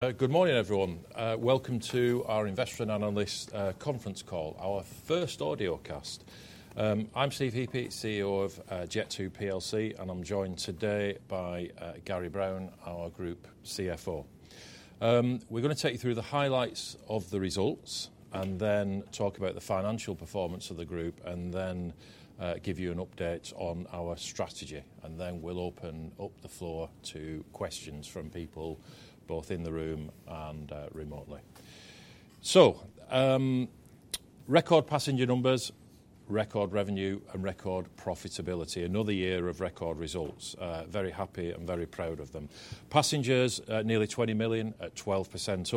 Good morning, everyone. Welcome to our investor and analyst conference call, our first audiocast. I'm Steve Heapy, CEO of Jet2 PLC, and I'm joined today by Gary Brown, our Group CFO. We're going to take you through the highlights of the results, and then talk about the financial performance of the group, and then give you an update on our strategy, and then we'll open up the floor to questions from people both in the room and remotely. So, record passenger numbers, record revenue, and record profitability. Another year of record results. Very happy and very proud of them. Passengers, nearly 20 million, at 12%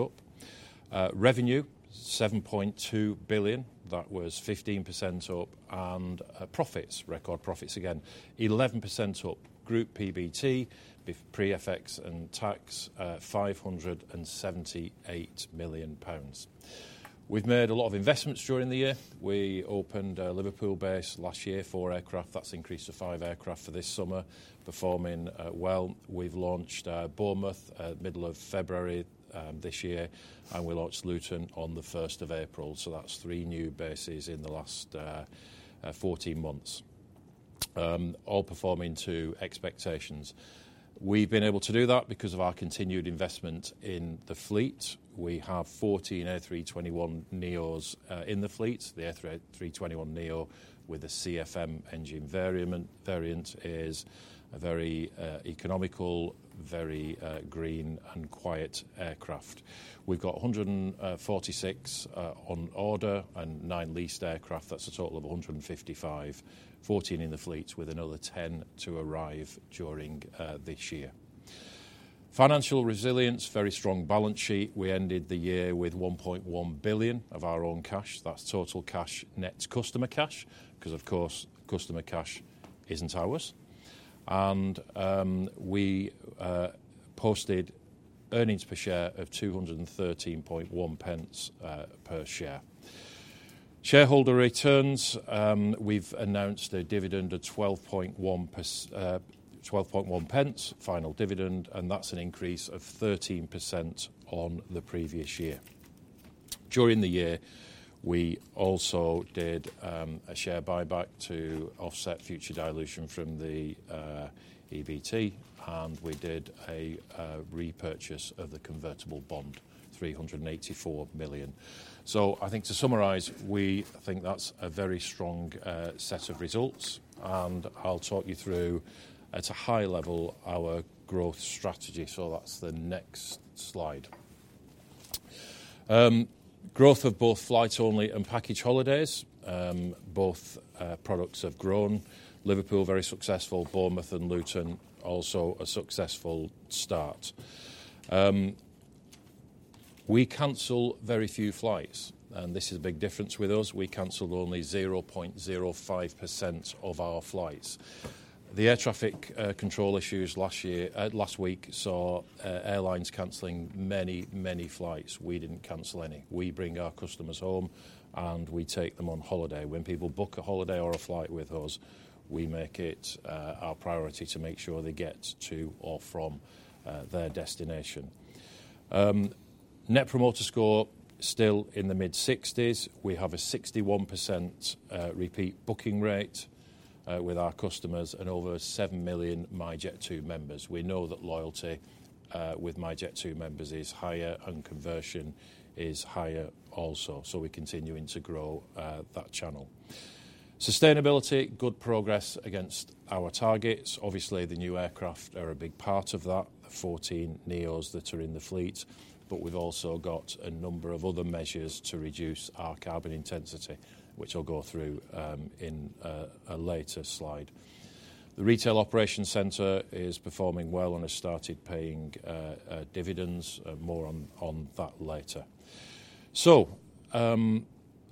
up. Revenue, 7.2 billion. That was 15% up, and profits, record profits again, 11% up. Group PBT, pre-FX and tax, 578 million pounds. We've made a lot of investments during the year. We opened a Liverpool base last year for aircraft. That's increased to five aircraft for this summer, performing well. We've launched Bournemouth in the middle of February this year, and we launched Luton on the 1st of April. So that's three new bases in the last 14 months, all performing to expectations. We've been able to do that because of our continued investment in the fleet. We have 14 A321neos in the fleet. The A321neo with a CFM engine variant is a very economical, very green, and quiet aircraft. We've got 146 on order and nine leased aircraft. That's a total of 155, 14 in the fleet, with another 10 to arrive during this year. Financial resilience, very strong balance sheet. We ended the year with 1.1 billion of our own cash. That's total cash, net customer cash, because, of course, customer cash isn't ours, and we posted earnings per share of 213.1 pence per share. Shareholder returns, we've announced a dividend of 0.121, final dividend, and that's an increase of 13% on the previous year. During the year, we also did a share buyback to offset future dilution from the EBT, and we did a repurchase of the convertible bond, 384 million. So I think to summarize, we think that's a very strong set of results. I'll talk you through, at a high level, our growth strategy. So that's the next slide. Growth of both flights only and package holidays. Both products have grown. Liverpool, very successful. Bournemouth and Luton, also a successful start. We cancel very few flights, and this is a big difference with us. We canceled only 0.05% of our flights. The air traffic control issues last week saw airlines canceling many, many flights. We didn't cancel any. We bring our customers home, and we take them on holiday. When people book a holiday or a flight with us, we make it our priority to make sure they get to or from their destination. Net Promoter Score still in the mid-60s. We have a 61% repeat booking rate with our customers and over seven million myJet2 members. We know that loyalty with myJet2 members is higher, and conversion is higher also. So we're continuing to grow that channel. Sustainability, good progress against our targets. Obviously, the new aircraft are a big part of that, 14 neos that are in the fleet. But we've also got a number of other measures to reduce our carbon intensity, which I'll go through in a later slide. The Retail Operations Center is performing well and has started paying dividends. More on that later. So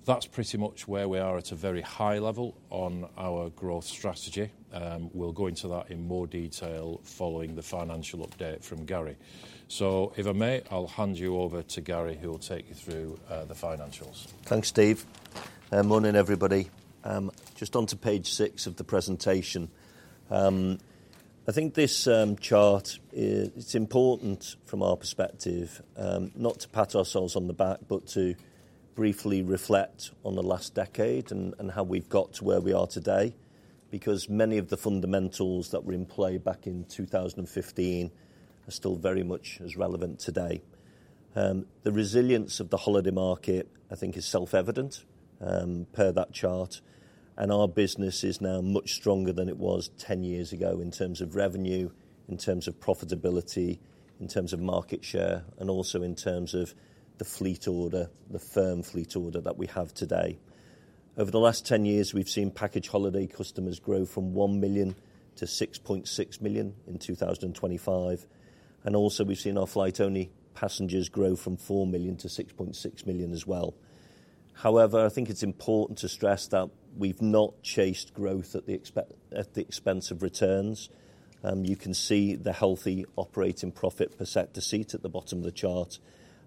that's pretty much where we are at a very high level on our growth strategy. We'll go into that in more detail following the financial update from Gary. If I may, I'll hand you over to Gary, who will take you through the financials. Thanks, Steve. Morning, everybody. Just onto page six of the presentation. I think this chart, it's important from our perspective not to pat ourselves on the back, but to briefly reflect on the last decade and how we've got to where we are today, because many of the fundamentals that were in play back in 2015 are still very much as relevant today. The resilience of the holiday market, I think, is self-evident per that chart, and our business is now much stronger than it was 10 years ago in terms of revenue, in terms of profitability, in terms of market share, and also in terms of the fleet order, the firm fleet order that we have today. Over the last 10 years, we've seen package holiday customers grow from one million to 6.6 million in 2025. Also we've seen our flight-only passengers grow from four million to 6.6 million as well. However, I think it's important to stress that we've not chased growth at the expense of returns. You can see the healthy operating profit per sector seat at the bottom of the chart,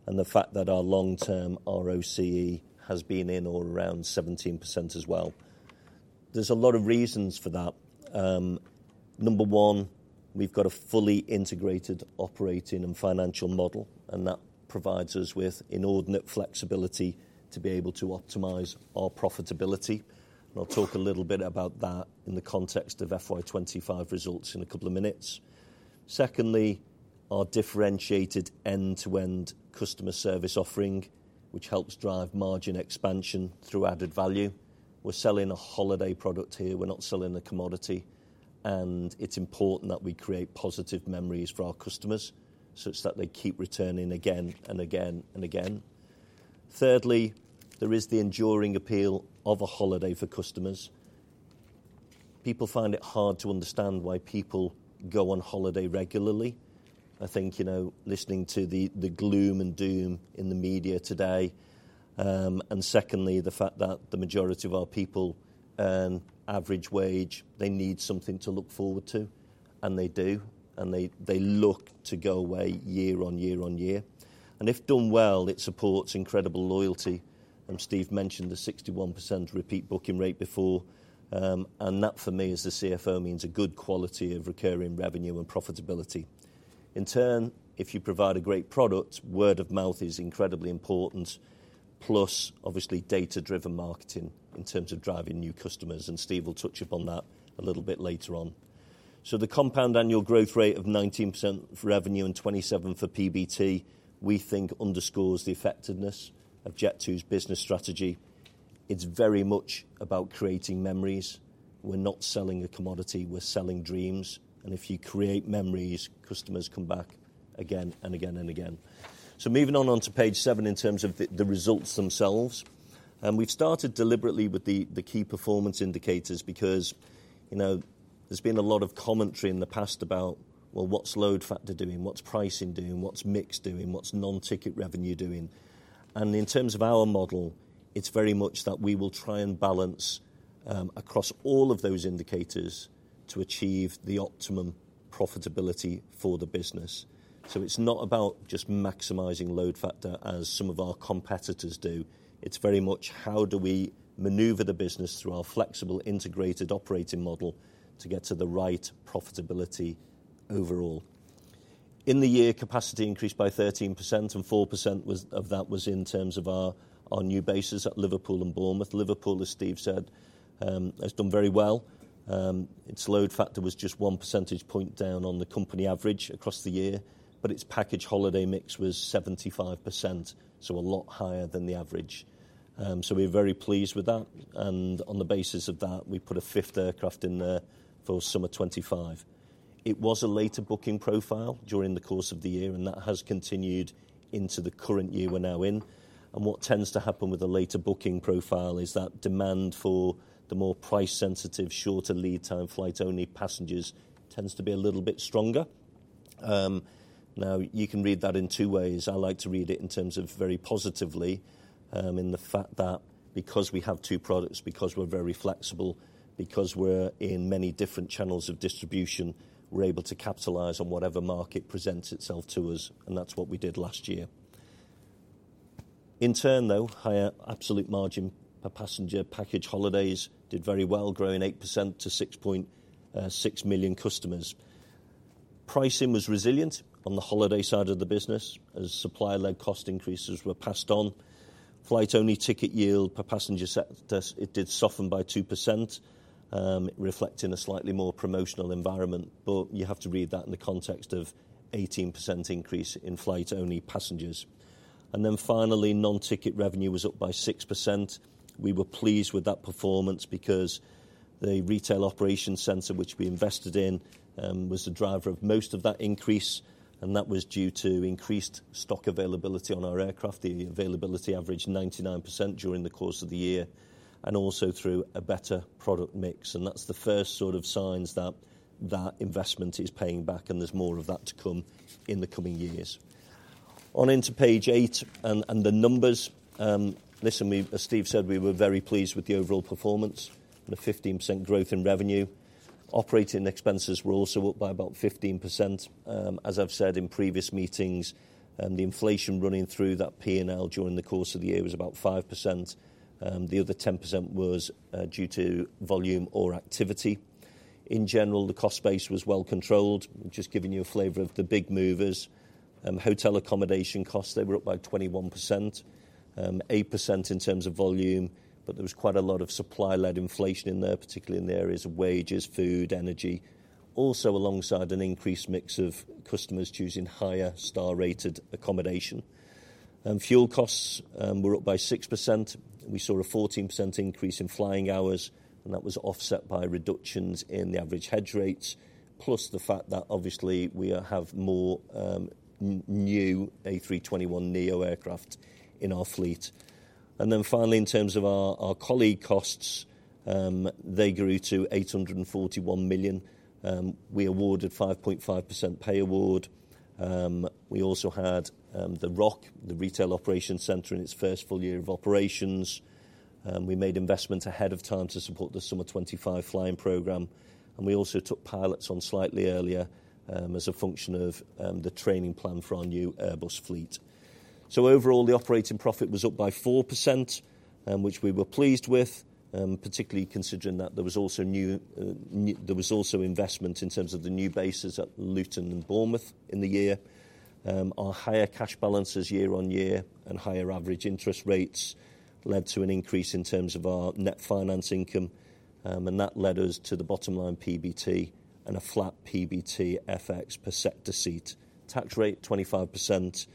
and the fact that our long-term ROCE has been in or around 17% as well. There's a lot of reasons for that. Number one, we've got a fully integrated operating and financial model, and that provides us with inordinate flexibility to be able to optimize our profitability. I'll talk a little bit about that in the context of FY25 results in a couple of minutes. Secondly, our differentiated end-to-end customer service offering, which helps drive margin expansion through added value. We're selling a holiday product here. We're not selling a commodity. It's important that we create positive memories for our customers such that they keep returning again and again and again. Thirdly, there is the enduring appeal of a holiday for customers. People find it hard to understand why people go on holiday regularly. I think listening to the gloom and doom in the media today. Secondly, the fact that the majority of our people, average wage, they need something to look forward to. They do. They look to go away year on year on year. If done well, it supports incredible loyalty. Steve mentioned the 61% repeat booking rate before. That for me as the CFO means a good quality of recurring revenue and profitability. In turn, if you provide a great product, word of mouth is incredibly important, plus obviously data-driven marketing in terms of driving new customers. Steve will touch upon that a little bit later on. The compound annual growth rate of 19% for revenue and 27% for PBT, we think underscores the effectiveness of Jet2's business strategy. It's very much about creating memories. We're not selling a commodity. We're selling dreams. If you create memories, customers come back again and again and again. Moving on onto page seven in terms of the results themselves. We've started deliberately with the key performance indicators because there's been a lot of commentary in the past about, well, what's load factor doing? What's pricing doing? What's mix doing? What's non-ticket revenue doing? In terms of our model, it's very much that we will try and balance across all of those indicators to achieve the optimum profitability for the business. It's not about just maximizing load factor as some of our competitors do. It's very much how do we maneuver the business through our flexible integrated operating model to get to the right profitability overall. In the year, capacity increased by 13%, and 4% of that was in terms of our new bases at Liverpool and Bournemouth. Liverpool, as Steve said, has done very well. Its load factor was just one percentage point down on the company average across the year, but its package holiday mix was 75%, so a lot higher than the average. So we're very pleased with that. On the basis of that, we put a fifth aircraft in there for summer 2025. It was a later booking profile during the course of the year, and that has continued into the current year we're now in. What tends to happen with a later booking profile is that demand for the more price-sensitive, shorter lead time, flight-only passengers tends to be a little bit stronger. Now, you can read that in two ways. I like to read it in terms of very positively in the fact that because we have two products, because we're very flexible, because we're in many different channels of distribution, we're able to capitalize on whatever market presents itself to us. That's what we did last year. In turn, though, higher absolute margin per passenger package holidays did very well, growing 8% to 6.6 million customers. Pricing was resilient on the holiday side of the business as supplier-led cost increases were passed on. Flight-only ticket yield per passenger it did soften by 2%, reflecting a slightly more promotional environment. But you have to read that in the context of an 18% increase in flight-only passengers. Then finally, non-ticket revenue was up by 6%. We were pleased with that performance because the retail operations center, which we invested in, was the driver of most of that increase. That was due to increased stock availability on our aircraft, the availability average 99% during the course of the year, and also through a better product mix. That's the first sort of signs that that investment is paying back, and there's more of that to come in the coming years. On into page eight and the numbers. Listen, as Steve said, we were very pleased with the overall performance and a 15% growth in revenue. Operating expenses were also up by about 15%. As I've said in previous meetings, the inflation running through that P&L during the course of the year was about 5%. The other 10% was due to volume or activity. In general, the cost base was well controlled. Just giving you a flavor of the big movers. Hotel accommodation costs, they were up by 21%, 8% in terms of volume, but there was quite a lot of supply-led inflation in there, particularly in the areas of wages, food, energy. Also alongside an increased mix of customers choosing higher star-rated accommodation. Fuel costs were up by 6%. We saw a 14% increase in flying hours, and that was offset by reductions in the average hedge rates, plus the fact that obviously we have more new A321neo aircraft in our fleet. Then finally, in terms of our colleague costs, they grew to 841 million. We awarded 5.5% pay award. We also had the ROC, the retail operations center in its first full year of operations. We made investment ahead of time to support the summer 2025 flying program. We also took pilots on slightly earlier as a function of the training plan for our new Airbus fleet. So overall, the operating profit was up by 4%, which we were pleased with, particularly considering that there was also new investment in terms of the new bases at Luton and Bournemouth in the year. Our higher cash balances year on year and higher average interest rates led to an increase in terms of our net finance income. That led us to the bottom line PBT and a flat PBT FX per sector to seat. Tax rate 25%.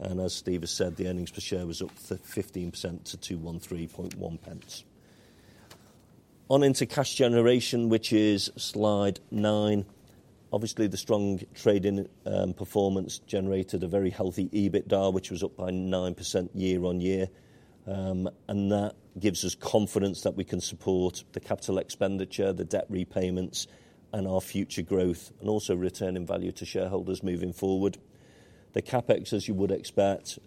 As Steve has said, the earnings per share was up 15% to GBP 2.131. On into cash generation, which is slide nine. Obviously, the strong trading performance generated a very healthy EBITDA, which was up by 9% year on year, and that gives us confidence that we can support the capital expenditure, the debt repayments, and our future growth, and also returning value to shareholders moving forward. The CapEx, as you would expect,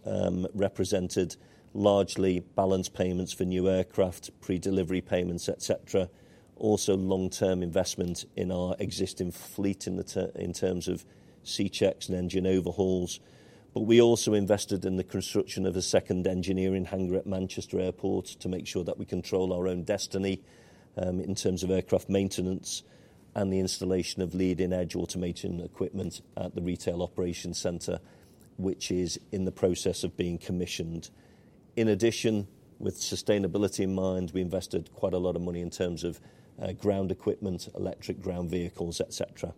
represented largely balance payments for new aircraft, pre-delivery payments, et cetera. Also, long-term investment in our existing fleet in terms of C checks and engine overhauls, but we also invested in the construction of a second engineering hangar at Manchester Airport to make sure that we control our own destiny in terms of aircraft maintenance and the installation of leading-edge automation equipment at the Retail Operations Center, which is in the process of being commissioned. In addition, with sustainability in mind, we invested quite a lot of money in terms of ground equipment, electric ground vehicles, et cetera.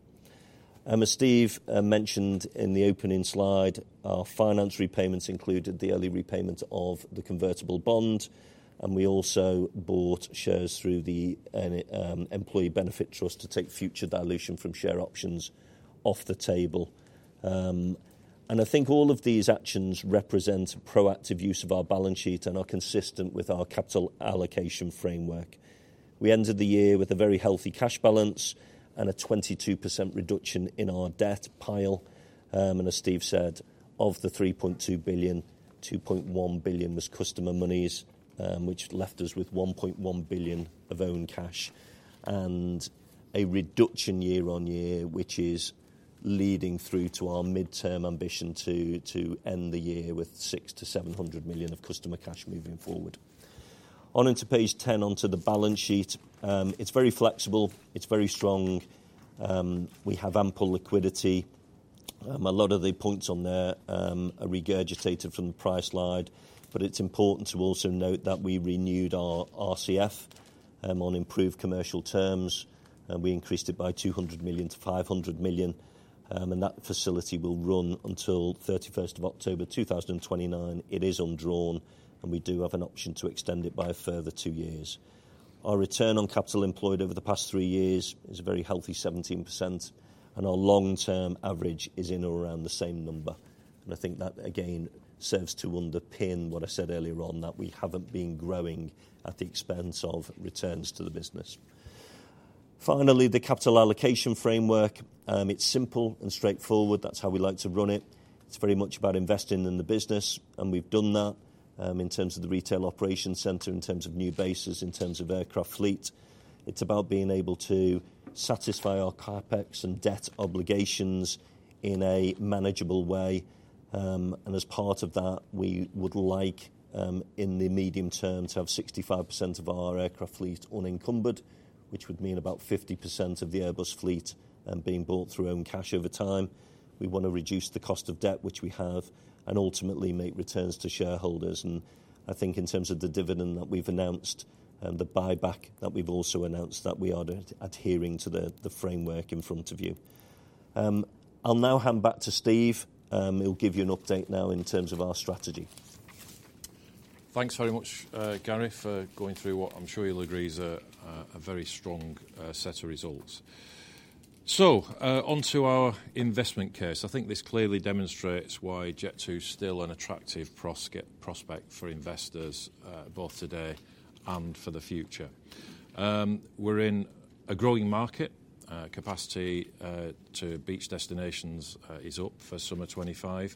As Steve mentioned in the opening slide, our finance repayments included the early repayment of the convertible bond. We also bought shares through the employee benefit trust to take future dilution from share options off the table. I think all of these actions represent proactive use of our balance sheet and are consistent with our capital allocation framework. We ended the year with a very healthy cash balance and a 22% reduction in our debt pile. And as Steve said, of the 3.2 billion, 2.1 billion was customer monies, which left us with 1.1 billion of own cash and a reduction year on year, which is leading through to our mid-term ambition to end the year with 600-700 million of customer cash moving forward. On into page 10, onto the balance sheet. It is very flexible. It is very strong. We have ample liquidity. A lot of the points on there are regurgitated from the prior slide, but it is important to also note that we renewed our RCF on improved commercial terms. We increased it by 200 million to 500 million. That facility will run until 31st of October 2029. It is undrawn, and we do have an option to extend it by a further two years. Our return on capital employed over the past three years is a very healthy 17%, and our long-term average is in or around the same number, and I think that, again, serves to underpin what I said earlier on, that we haven't been growing at the expense of returns to the business. Finally, the capital allocation framework, it's simple and straightforward. That's how we like to run it. It's very much about investing in the business, and we've done that in terms of the retail operations center, in terms of new bases, in terms of aircraft fleet. It's about being able to satisfy our CapEx and debt obligations in a manageable way. As part of that, we would like in the medium term to have 65% of our aircraft fleet unencumbered, which would mean about 50% of the Airbus fleet being bought through own cash over time. We want to reduce the cost of debt, which we have, and ultimately make returns to shareholders. I think in terms of the dividend that we've announced and the buyback that we've also announced that we are adhering to the framework in front of you. I'll now hand back to Steve. He'll give you an update now in terms of our strategy. Thanks very much, Gary, for going through what I'm sure you'll agree is a very strong set of results. So onto our investment case. I think this clearly demonstrates why Jet2 is still an attractive prospect for investors, both today and for the future. We're in a growing market. Capacity to beach destinations is up for summer 2025.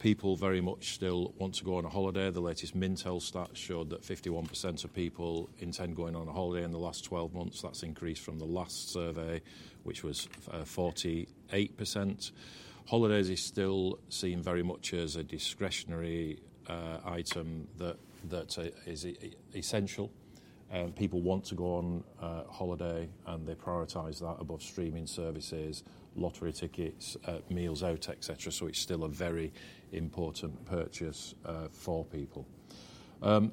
People very much still want to go on a holiday. The latest Mintel stat showed that 51% of people intend going on a holiday in the last 12 months. That's increased from the last survey, which was 48%. Holidays are still seen very much as a discretionary item that is essential. People want to go on holiday, and they prioritise that above streaming services, lottery tickets, meals out, et cetera. So it's still a very important purchase for people.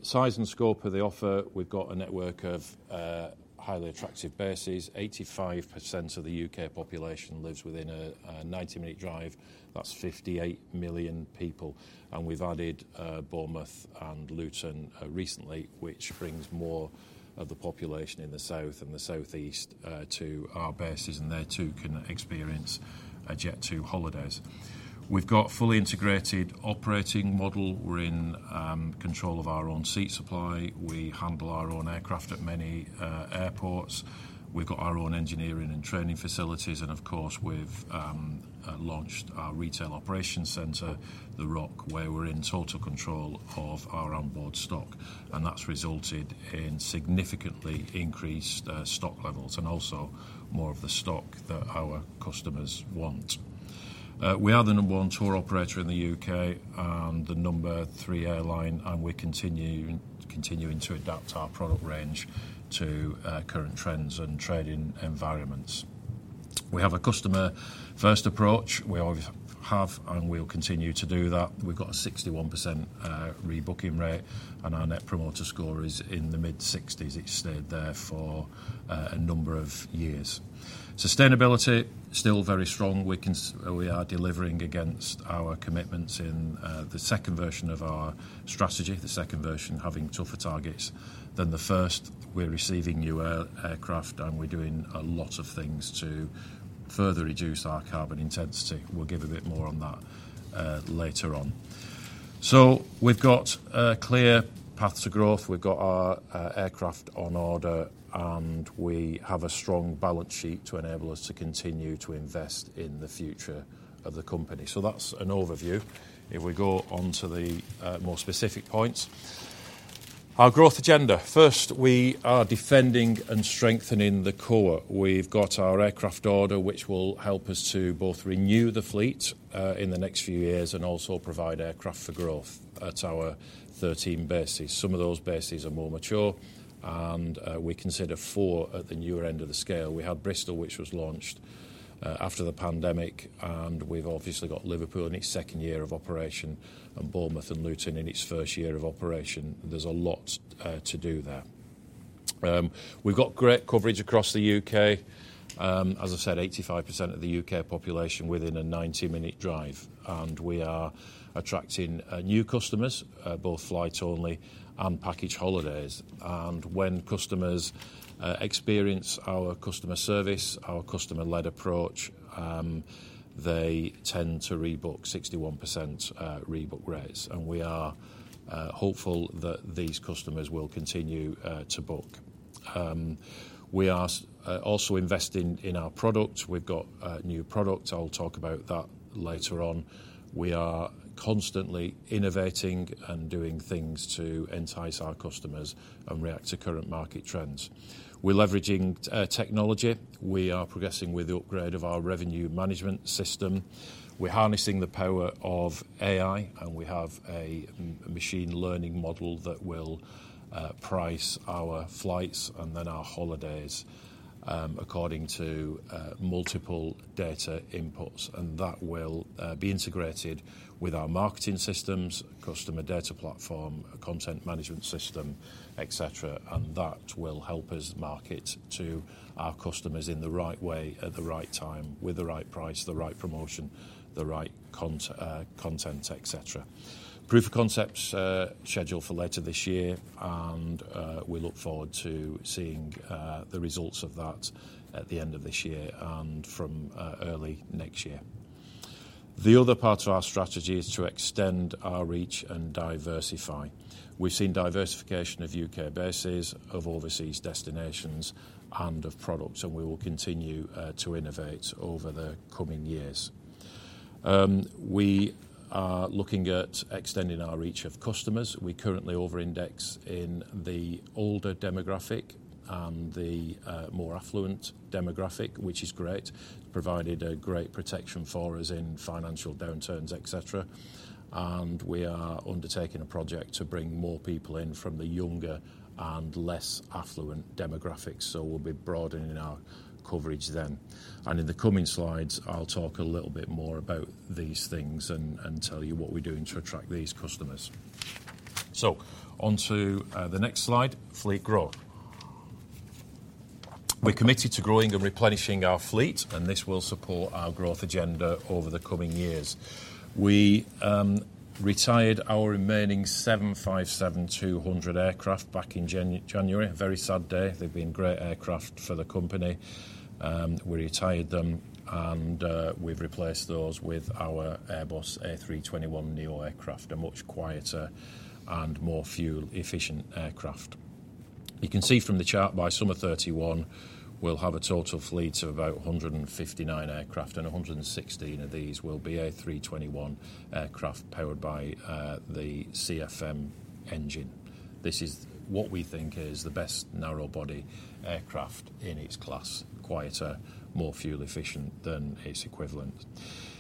Size and scope of the offer. We've got a network of highly attractive bases. 85% of the UK population lives within a 90-minute drive. That's 58 million people, and we've added Bournemouth and Luton recently, which brings more of the population in the south and the southeast to our bases, and there too can experience Jet2holidays. We've got a fully integrated operating model. We're in control of our own seat supply. We handle our own aircraft at many airports. We've got our own engineering and training facilities. Of course, we've launched our Retail Operations Center, the ROC, where we're in total control of our onboard stock. That's resulted in significantly increased stock levels and also more of the stock that our customers want. We are the number one tour operator in the U.K. and the number three airline, and we're continuing to adapt our product range to current trends and trading environments. We have a customer-first approach. We always have and we'll continue to do that. We've got a 61% rebooking rate, and our Net Promoter Score is in the mid-60s. It's stayed there for a number of years. Sustainability, still very strong. We are delivering against our commitments in the second version of our strategy, the second version having tougher targets than the first. We're receiving new aircraft, and we're doing a lot of things to further reduce our carbon intensity. We'll give a bit more on that later on. So we've got a clear path to growth. We've got our aircraft on order, and we have a strong balance sheet to enable us to continue to invest in the future of the company. So that's an overview. If we go on to the more specific points, our growth agenda. First, we are defending and strengthening the core. We've got our aircraft order, which will help us to both renew the fleet in the next few years and also provide aircraft for growth at our 13 bases. Some of those bases are more mature, and we consider four at the newer end of the scale. We had Bristol, which was launched after the pandemic, and we've obviously got Liverpool in its second year of operation and Bournemouth and Luton in its first year of operation. There's a lot to do there. We've got great coverage across the UK. As I said, 85% of the UK population within a 90-minute drive. We are attracting new customers, both flights only and package holidays. When customers experience our customer service, our customer-led approach, they tend to rebook 61% rebook rates. We are hopeful that these customers will continue to book. We are also investing in our product. We've got new products. I'll talk about that later on. We are constantly innovating and doing things to entice our customers and react to current market trends. We're leveraging technology. We are progressing with the upgrade of our revenue management system. We're harnessing the power of AI, and we have a machine learning model that will price our flights and then our holidays according to multiple data inputs. That will be integrated with our marketing systems, customer data platform, content management system, et cetera. That will help us market to our customers in the right way, at the right time, with the right price, the right promotion, the right content, et cetera. Proof of concepts scheduled for later this year, and we look forward to seeing the results of that at the end of this year and from early next year. The other part of our strategy is to extend our reach and diversify. We've seen diversification of U.K. bases, of overseas destinations, and of products, and we will continue to innovate over the coming years. We are looking at extending our reach of customers. We currently over-index in the older demographic and the more affluent demographic, which is great, provided a great protection for us in financial downturns, et cetera. We are undertaking a project to bring more people in from the younger and less affluent demographics. We'll be broadening our coverage then. In the coming slides, I'll talk a little bit more about these things and tell you what we're doing to attract these customers. Onto the next slide, fleet growth. We're committed to growing and replenishing our fleet, and this will support our growth agenda over the coming years. We retired our remaining 757-200 aircraft back in January, a very sad day. They've been great aircraft for the company. We retired them, and we've replaced those with our Airbus A321neo aircraft, a much quieter and more fuel-efficient aircraft. You can see from the chart by summer '31, we'll have a total fleet of about 159 aircraft, and 116 of these will be A321 aircraft powered by the CFM engine. This is what we think is the best narrowbody aircraft in its class, quieter, more fuel-efficient than its equivalent.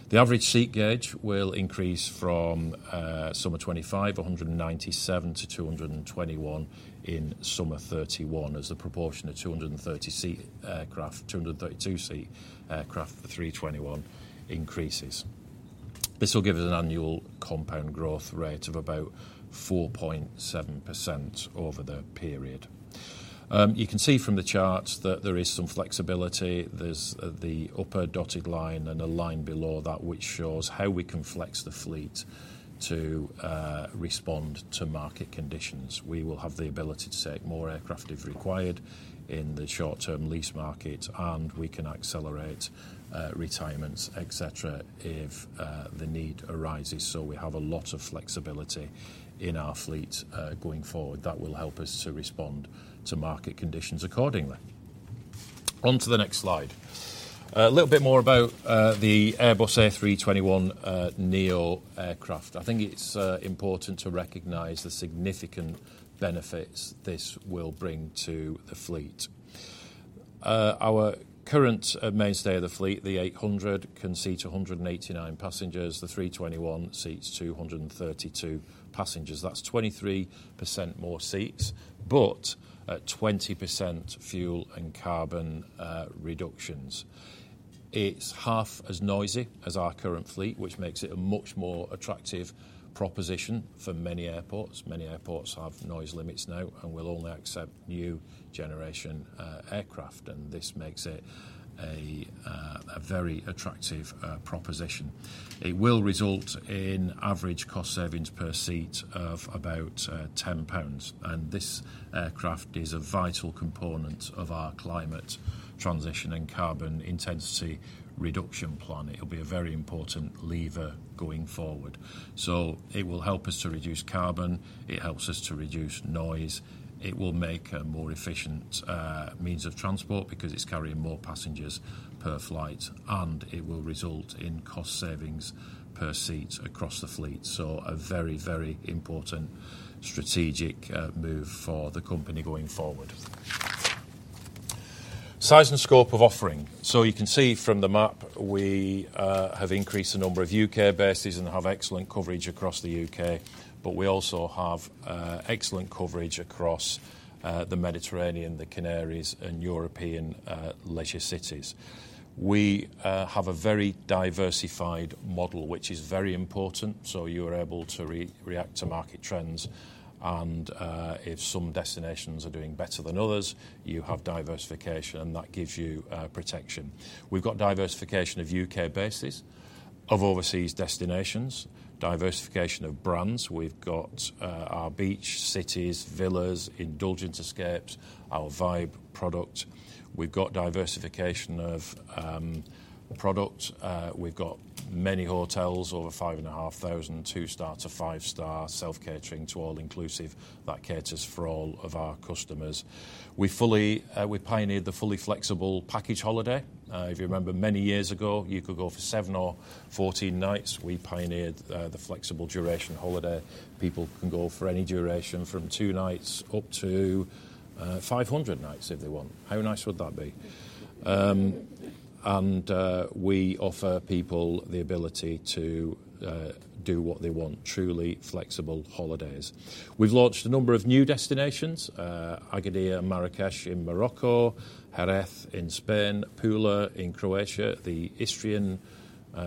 The average seat gauge will increase from summer 2025, 197 to 221 in summer 2031 as the proportion of 232-seat aircraft for A321 increases. This will give us an annual compound growth rate of about 4.7% over the period. You can see from the chart that there is some flexibility. There's the upper dotted line and a line below that, which shows how we can flex the fleet to respond to market conditions. We will have the ability to take more aircraft if required in the short-term lease market, and we can accelerate retirements, et cetera, if the need arises. So we have a lot of flexibility in our fleet going forward that will help us to respond to market conditions accordingly. Onto the next slide. A little bit more about the Airbus A321neo aircraft. I think it's important to recognize the significant benefits this will bring to the fleet. Our current mainstay of the fleet, the 800, can seat 189 passengers. The 321 seats 232 passengers. That's 23% more seats, but 20% fuel and carbon reductions. It's half as noisy as our current fleet, which makes it a much more attractive proposition for many airports. Many airports have noise limits now and will only accept new generation aircraft, and this makes it a very attractive proposition. It will result in average cost savings per seat of about 10 pounds. This aircraft is a vital component of our climate transition and carbon intensity reduction plan. It will be a very important lever going forward. So it will help us to reduce carbon. It helps us to reduce noise. It will make a more efficient means of transport because it's carrying more passengers per flight, and it will result in cost savings per seat across the fleet, so a very, very important strategic move for the company going forward. Size and scope of offering, so you can see from the map, we have increased the number of UK bases and have excellent coverage across the UK, but we also have excellent coverage across the Mediterranean, the Canaries, and European leisure cities. We have a very diversified model, which is very important, so you are able to react to market trends, and if some destinations are doing better than others, you have diversification, and that gives you protection. We've got diversification of UK bases, of overseas destinations, diversification of brands. We've got our beach cities, villas, Indulgence Escapes, our Vibe product. We've got diversification of product. We've got many hotels, over 5,500, two-star to five-star, self-catering to all-inclusive. That caters for all of our customers. We pioneered the fully flexible package holiday. If you remember, many years ago, you could go for seven or 14 nights. We pioneered the flexible duration holiday. People can go for any duration from two nights up to 500 nights if they want. How nice would that be? And we offer people the ability to do what they want, truly flexible holidays. We've launched a number of new destinations: Agadir, Marrakech in Morocco, Jerez in Spain, Pula in Croatia, the Istrian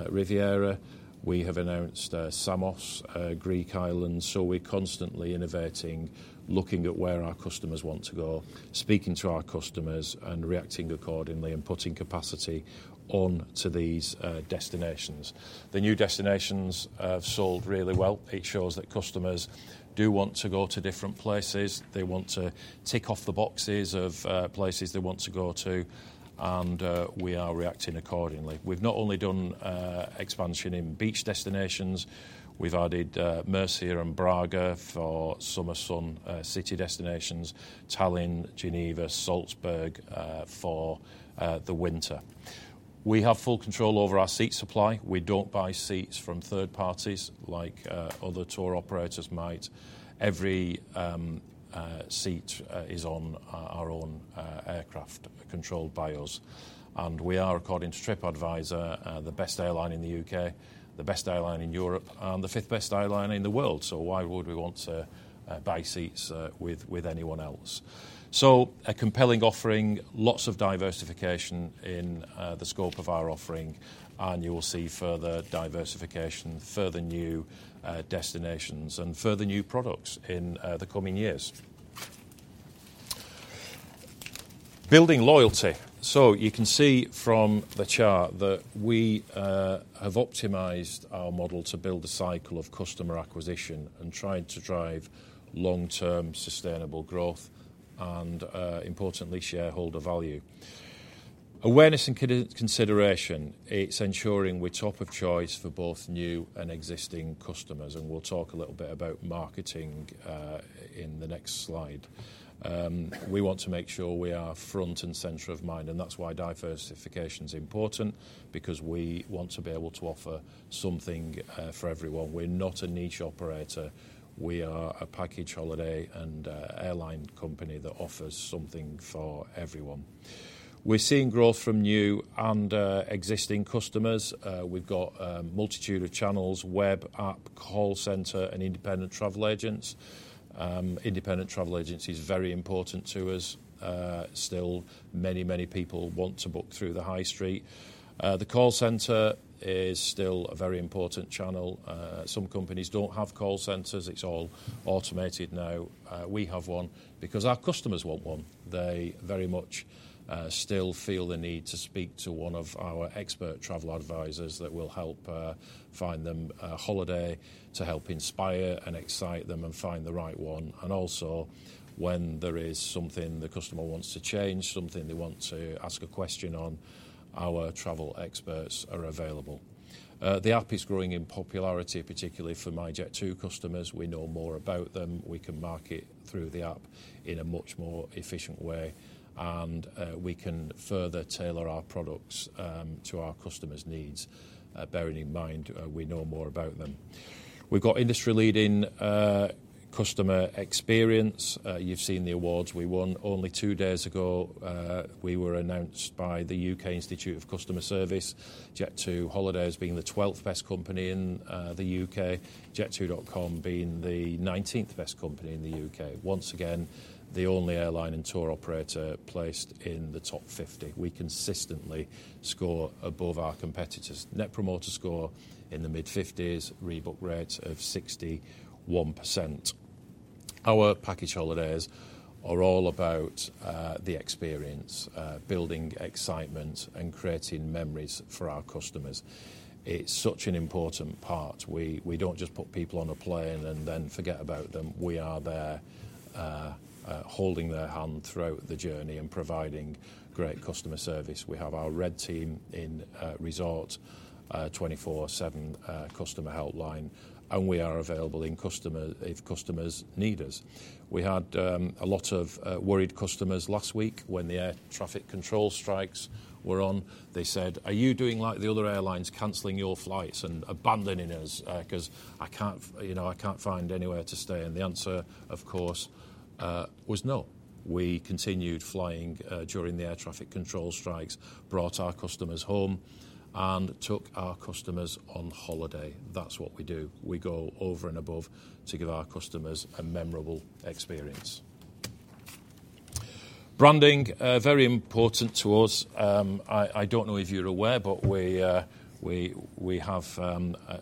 Riviera. We have announced Samos, Greek islands. So we're constantly innovating, looking at where our customers want to go, speaking to our customers, and reacting accordingly and putting capacity on to these destinations. The new destinations have sold really well. It shows that customers do want to go to different places. They want to tick off the boxes of places they want to go to, and we are reacting accordingly. We've not only done expansion in beach destinations. We've added Murcia and Prague for summer sun city destinations, Tallinn, Geneva, Salzburg for the winter. We have full control over our seat supply. We don't buy seats from third parties like other tour operators might. Every seat is on our own aircraft controlled by us. We are, according to TripAdvisor, the best airline in the UK, the best airline in Europe, and the fifth best airline in the world. So why would we want to buy seats with anyone else? So a compelling offering, lots of diversification in the scope of our offering, and you will see further diversification, further new destinations, and further new products in the coming years. Building loyalty. So you can see from the chart that we have optimized our model to build a cycle of customer acquisition and trying to drive long-term sustainable growth and, importantly, shareholder value. Awareness and consideration. It's ensuring we're top of choice for both new and existing customers. And we'll talk a little bit about marketing in the next slide. We want to make sure we are front and center of mind, and that's why diversification is important, because we want to be able to offer something for everyone. We're not a niche operator. We are a package holiday and airline company that offers something for everyone. We're seeing growth from new and existing customers. We've got a multitude of channels: web, app, call center, and independent travel agents. Independent travel agency is very important to us. Still, many, many people want to book through the high street. The call centre is still a very important channel. Some companies don't have call centres. It's all automated now. We have one because our customers want one. They very much still feel the need to speak to one of our expert travel advisors that will help find them a holiday to help inspire and excite them and find the right one. Also, when there is something the customer wants to change, something they want to ask a question on, our travel experts are available. The app is growing in popularity, particularly for myJet2 customers. We know more about them. We can market through the app in a much more efficient way, and we can further tailor our products to our customers' needs, bearing in mind we know more about them. We've got industry-leading customer experience. You've seen the awards we won only two days ago. We were announced by the UK Institute of Customer Service, Jet2holidays being the 12th best company in the UK, Jet2.com being the 19th best company in the UK. Once again, the only airline and tour operator placed in the top 50. We consistently score above our competitors. Net Promoter Score in the mid-50s, rebook rates of 61%. Our package holidays are all about the experience, building excitement, and creating memories for our customers. It's such an important part. We don't just put people on a plane and then forget about them. We are there holding their hand throughout the journey and providing great customer service. We have our Red Team in resort 24/7 customer helpline, and we are available if customers need us. We had a lot of worried customers last week when the air traffic control strikes were on. They said, "Are you doing like the other airlines, cancelling your flights and abandoning us because I can't find anywhere to stay?" The answer, of course, was no. We continued flying during the air traffic control strikes, brought our customers home, and took our customers on holiday. That's what we do. We go over and above to give our customers a memorable experience. Branding, very important to us. I don't know if you're aware, but we have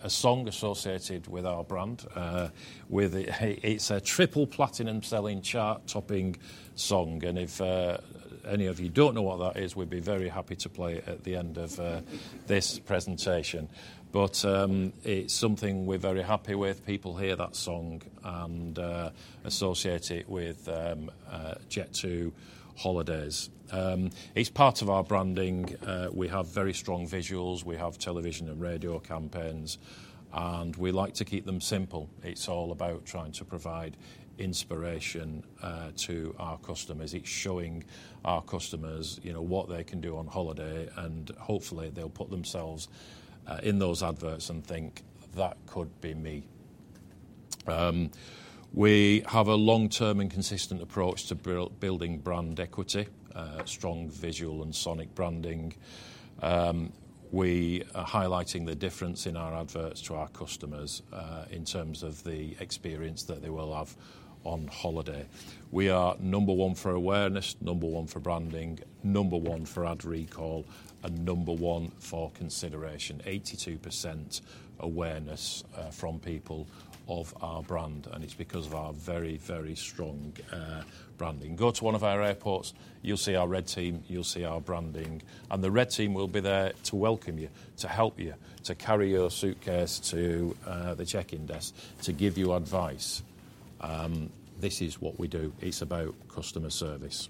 a song associated with our brand. It's a triple platinum selling chart-topping song. And if any of you don't know what that is, we'd be very happy to play it at the end of this presentation. But it's something we're very happy with. People hear that song and associate it with Jet2holidays. It's part of our branding. We have very strong visuals. We have television and radio campaigns, and we like to keep them simple. It's all about trying to provide inspiration to our customers. It's showing our customers what they can do on holiday, and hopefully, they'll put themselves in those adverts and think, "That could be me." We have a long-term and consistent approach to building brand equity, strong visual and sonic branding. We are highlighting the difference in our adverts to our customers in terms of the experience that they will have on holiday. We are number one for awareness, number one for branding, number one for ad recall, and number one for consideration. 82% awareness from people of our brand, and it's because of our very, very strong branding. Go to one of our airports, you'll see our Red Team, you'll see our branding, and the Red Team will be there to welcome you, to help you, to carry your suitcase to the check-in desk, to give you advice. This is what we do. It's about customer service.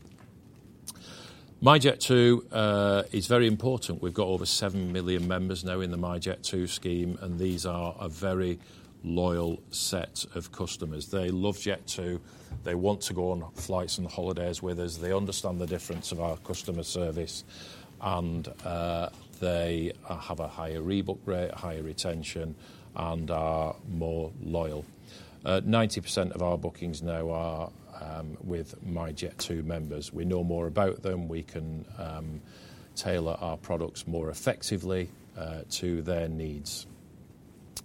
My Jet2 is very important. We've got over seven million members now in the My Jet2 scheme, and these are a very loyal set of customers. They love Jet2. They want to go on flights and holidays with us. They understand the difference of our customer service, and they have a higher rebook rate, higher retention, and are more loyal. 90% of our bookings now are with My Jet2 members. We know more about them. We can tailor our products more effectively to their needs.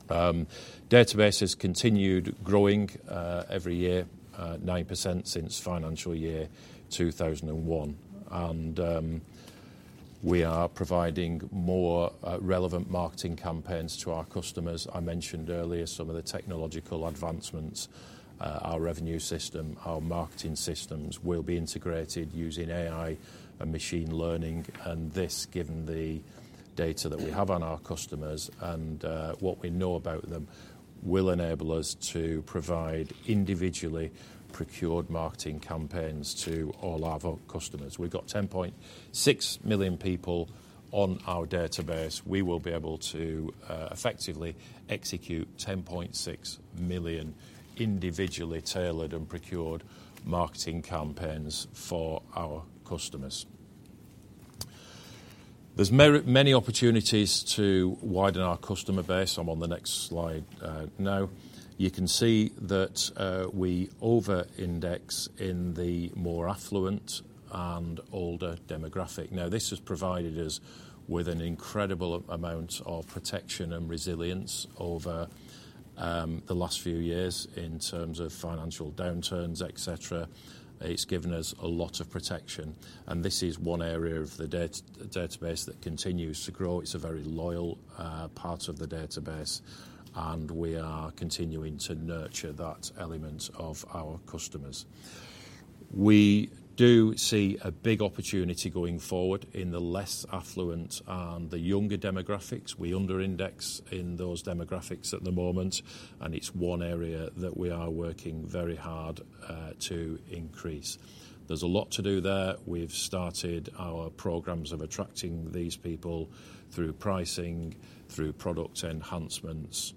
database has continued growing every year, 9% since financial year 2001, and we are providing more relevant marketing campaigns to our customers. I mentioned earlier some of the technological advancements. Our revenue system, our marketing systems will be integrated using AI and machine learning, and this, given the data that we have on our customers and what we know about them, will enable us to provide individually procured marketing campaigns to all our customers. We've got 10.6 million people on our database. We will be able to effectively execute 10.6 million individually tailored and procured marketing campaigns for our customers. There's many opportunities to widen our customer base. I'm on the next slide now. You can see that we over-index in the more affluent and older demographic. Now, this has provided us with an incredible amount of protection and resilience over the last few years in terms of financial downturns, etc. It's given us a lot of protection, and this is one area of the database that continues to grow. It's a very loyal part of the database, and we are continuing to nurture that element of our customers. We do see a big opportunity going forward in the less affluent and the younger demographics. We under-index in those demographics at the moment, and it's one area that we are working very hard to increase. There's a lot to do there. We've started our programs of attracting these people through pricing, through product enhancements,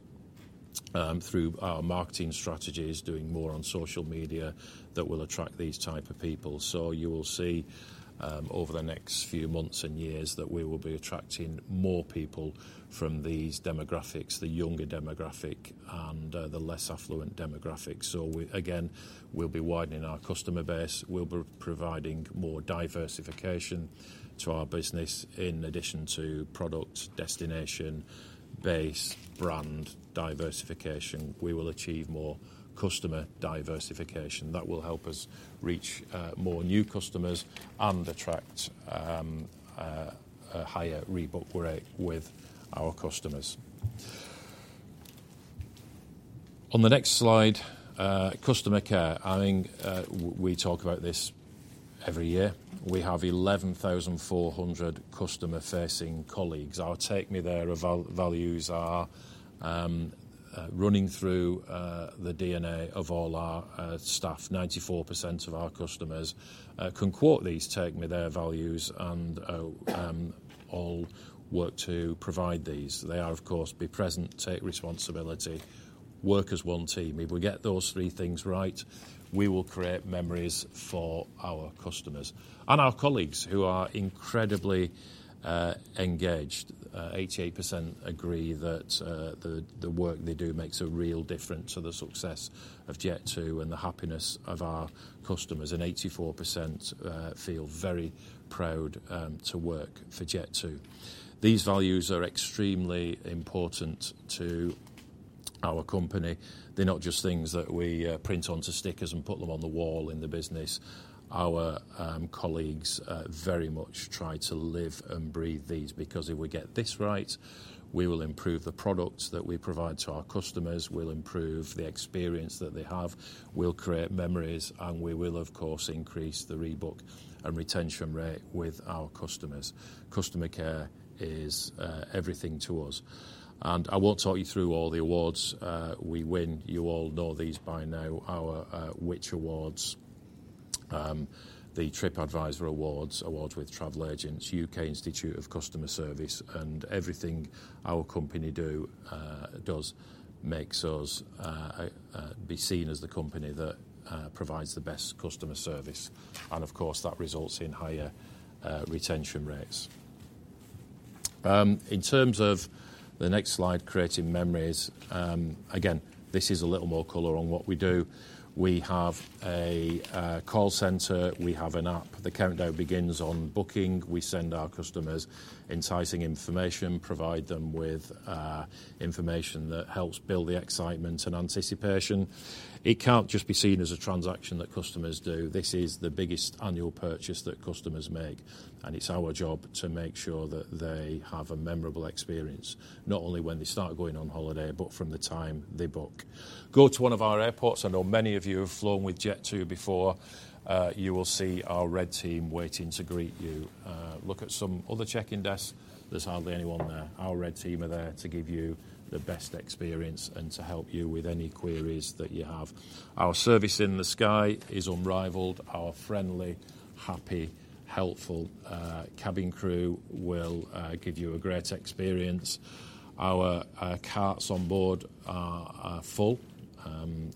through our marketing strategies, doing more on social media that will attract these types of people. You will see over the next few months and years that we will be attracting more people from these demographics, the younger demographic and the less affluent demographics. So again, we'll be widening our customer base. We'll be providing more diversification to our business in addition to product, destination, base, brand diversification. We will achieve more customer diversification. That will help us reach more new customers and attract a higher rebook rate with our customers. On the next slide, customer care. I mean, we talk about this every year. We have 11,400 customer-facing colleagues. Our Take Me There values are running through the DNA of all our staff. 94% of our customers can quote these Take Me There values and all work to provide these. They are, of course, be present, take responsibility, work as one team. If we get those three things right, we will create memories for our customers and our colleagues who are incredibly engaged. 88% agree that the work they do makes a real difference to the success of Jet2 and the happiness of our customers, and 84% feel very proud to work for Jet2. These values are extremely important to our company. They're not just things that we print onto stickers and put them on the wall in the business. Our colleagues very much try to live and breathe these because if we get this right, we will improve the products that we provide to our customers, we'll improve the experience that they have, we'll create memories, and we will, of course, increase the rebook and retention rate with our customers. Customer care is everything to us, and I won't talk you through all the awards we win. You all know these by now, our Which? Awards, the TripAdvisor Awards, Awards with Travel Agents, UK Institute of Customer Service, and everything our company does makes us be seen as the company that provides the best customer service, and of course, that results in higher retention rates. In terms of the next slide, creating memories, again, this is a little more color on what we do. We have a call center. We have an app. The countdown begins on booking. We send our customers enticing information, provide them with information that helps build the excitement and anticipation. It can't just be seen as a transaction that customers do. This is the biggest annual purchase that customers make, and it's our job to make sure that they have a memorable experience, not only when they start going on holiday, but from the time they book. Go to one of our airports. I know many of you have flown with Jet2 before. You will see our Red Team waiting to greet you. Look at some other check-in desks. There's hardly anyone there. Our Red Team are there to give you the best experience and to help you with any queries that you have. Our service in the sky is unrivaled. Our friendly, happy, helpful cabin crew will give you a great experience. Our carts on board are full.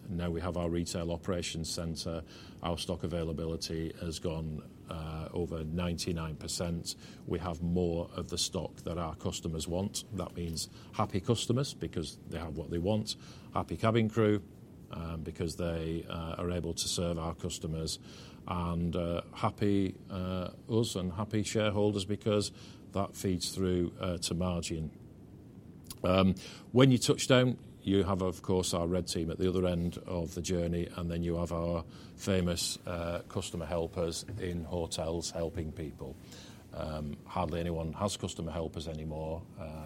Now we have our Retail Operations Center. Our stock availability has gone over 99%. We have more of the stock that our customers want. That means happy customers because they have what they want, happy cabin crew because they are able to serve our customers, and happy us and happy shareholders because that feeds through to margin. When you touch down, you have, of course, our Red Team at the other end of the journey, and then you have our famous customer helpers in hotels helping people. Hardly anyone has customer helpers anymore.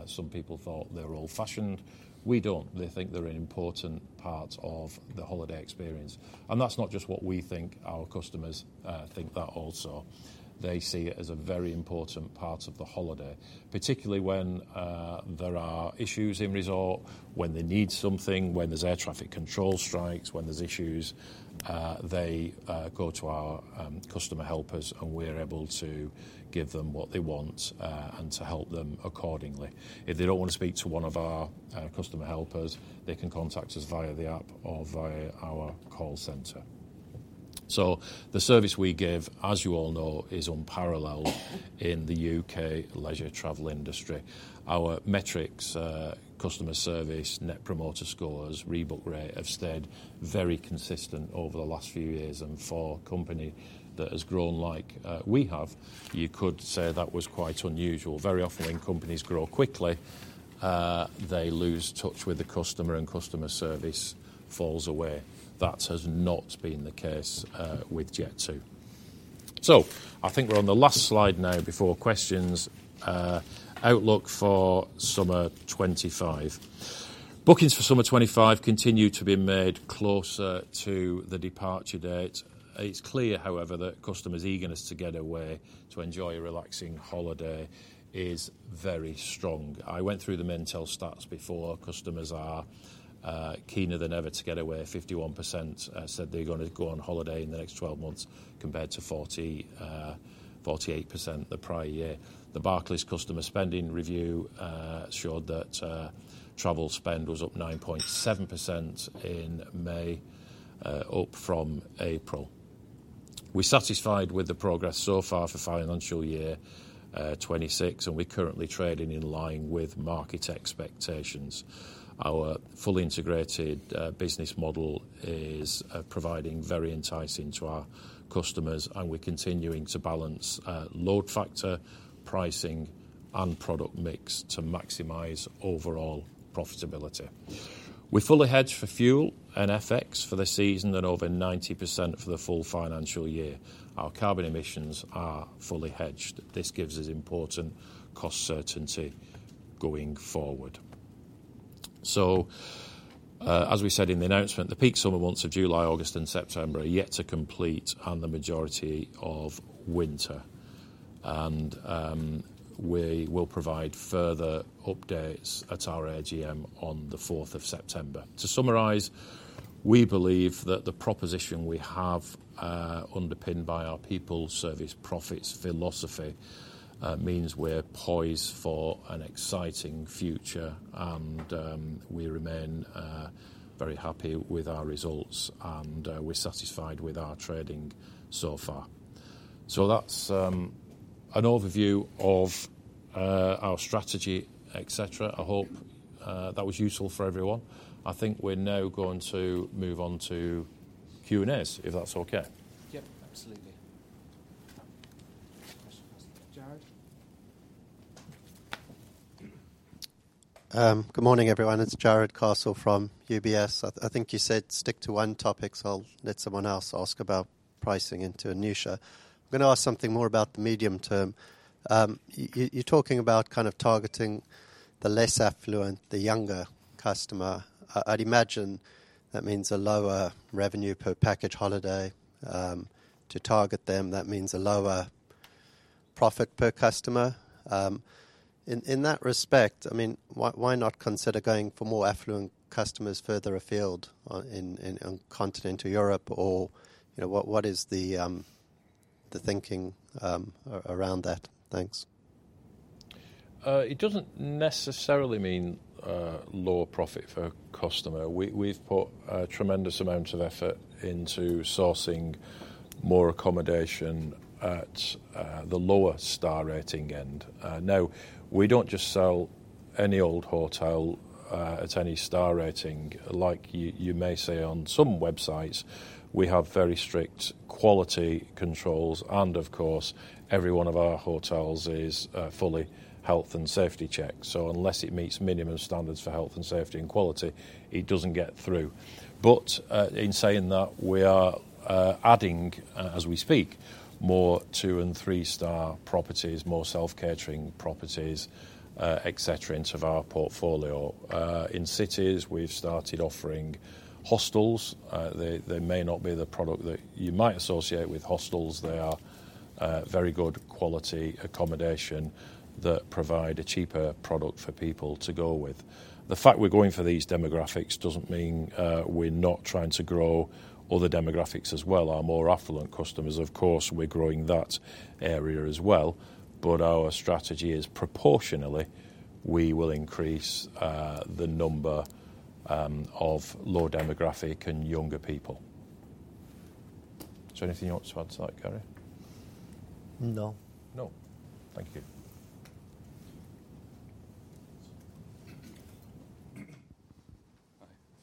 Some people thought they were old-fashioned. We don't. They think they're an important part of the holiday experience, and that's not just what we think. Our customers think that also. They see it as a very important part of the holiday, particularly when there are issues in resort, when they need something, when there's air traffic control strikes, when there's issues, they go to our customer helpers, and we're able to give them what they want and to help them accordingly. If they don't want to speak to one of our customer helpers, they can contact us via the app or via our call center. So the service we give, as you all know, is unparalleled in the U.K. leisure travel industry. Our metrics, customer service, net promoter scores, rebook rate have stayed very consistent over the last few years. And for a company that has grown like we have, you could say that was quite unusual. Very often when companies grow quickly, they lose touch with the customer, and customer service falls away. That has not been the case with Jet2. So I think we're on the last slide now before questions. Outlook for summer 2025. Bookings for summer 2025 continue to be made closer to the departure date. It's clear, however, that customers' eagerness to get away to enjoy a relaxing holiday is very strong. I went through the mental stats before. Customers are keener than ever to get away. 51% said they're going to go on holiday in the next 12 months compared to 48% the prior year. The Barclays customer spending review showed that travel spend was up 9.7% in May, up from April. We're satisfied with the progress so far for financial year 2026, and we're currently trading in line with market expectations. Our fully integrated business model is providing very enticing to our customers, and we're continuing to balance load factor, pricing, and product mix to maximize overall profitability. We're fully hedged for fuel and FX for the season and over 90% for the full financial year. Our carbon emissions are fully hedged. This gives us important cost certainty going forward. So as we said in the announcement, the peak summer months of July, August, and September are yet to complete, and the majority of winter. We will provide further updates at our AGM on the 4th of September. To summarize, we believe that the proposition we have, underpinned by our people, service, profits, philosophy, means we're poised for an exciting future, and we remain very happy with our results, and we're satisfied with our trading so far. That's an overview of our strategy, etc. I hope that was useful for everyone. I think we're now going to move on to Q&As, if that's okay. Yep, absolutely. Jared. Good morning, everyone. It's Jared Castle from UBS. I think you said stick to one topic, so I'll let someone else ask about pricing into a new share. I'm going to ask something more about the medium term. You're talking about targeting the less affluent, the younger customer. I'd imagine that means a lower revenue per package holiday. To target them, that means a lower profit per customer. In that respect, I mean, why not consider going for more affluent customers further afield in continental Europe? Or what is the thinking around that? Thanks. It doesn't necessarily mean lower profit per customer. We've put tremendous amounts of effort into sourcing more accommodation at the lower star rating end. Now, we don't just sell any old hotel at any star rating. Like you may say on some websites, we have very strict quality controls. Every one of our hotels is fully health and safety checked. Unless it meets minimum standards for health and safety and quality, it doesn't get through. In saying that, we are adding, as we speak, more two and three-star properties, more self-catering properties, etc., into our portfolio. In cities, we've started offering hostels. They may not be the product that you might associate with hostels. They are very good quality accommodation that provide a cheaper product for people to go with. The fact we're going for these demographics doesn't mean we're not trying to grow other demographics as well. Our more affluent customers, of course, we're growing that area as well. But our strategy is proportionally we will increase the number of low demographic and younger people. Is there anything you want to add to that, Gary? No. No. Thank you.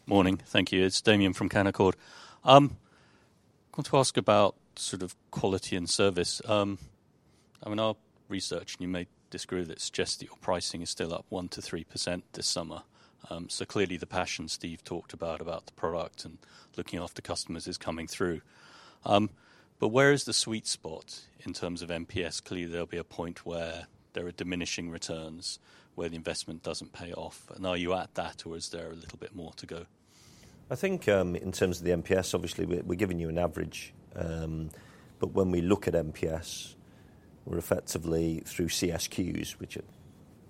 Morning. Thank you. It's Damien from Canaccord. I want to ask about sort of quality and service. I mean, our research, and you may disagree with it, suggests that your pricing is still up 1%-3% this summer. So clearly, the passion Steve talked about, about the product and looking after customers is coming through. Where is the sweet spot in terms of MPS? Clearly, there'll be a point where there are diminishing returns, where the investment doesn't pay off. And are you at that, or is there a little bit more to go? I think in terms of the MPS, obviously, we're giving you an average. When we look at MPS, we're effectively through CSQs, which are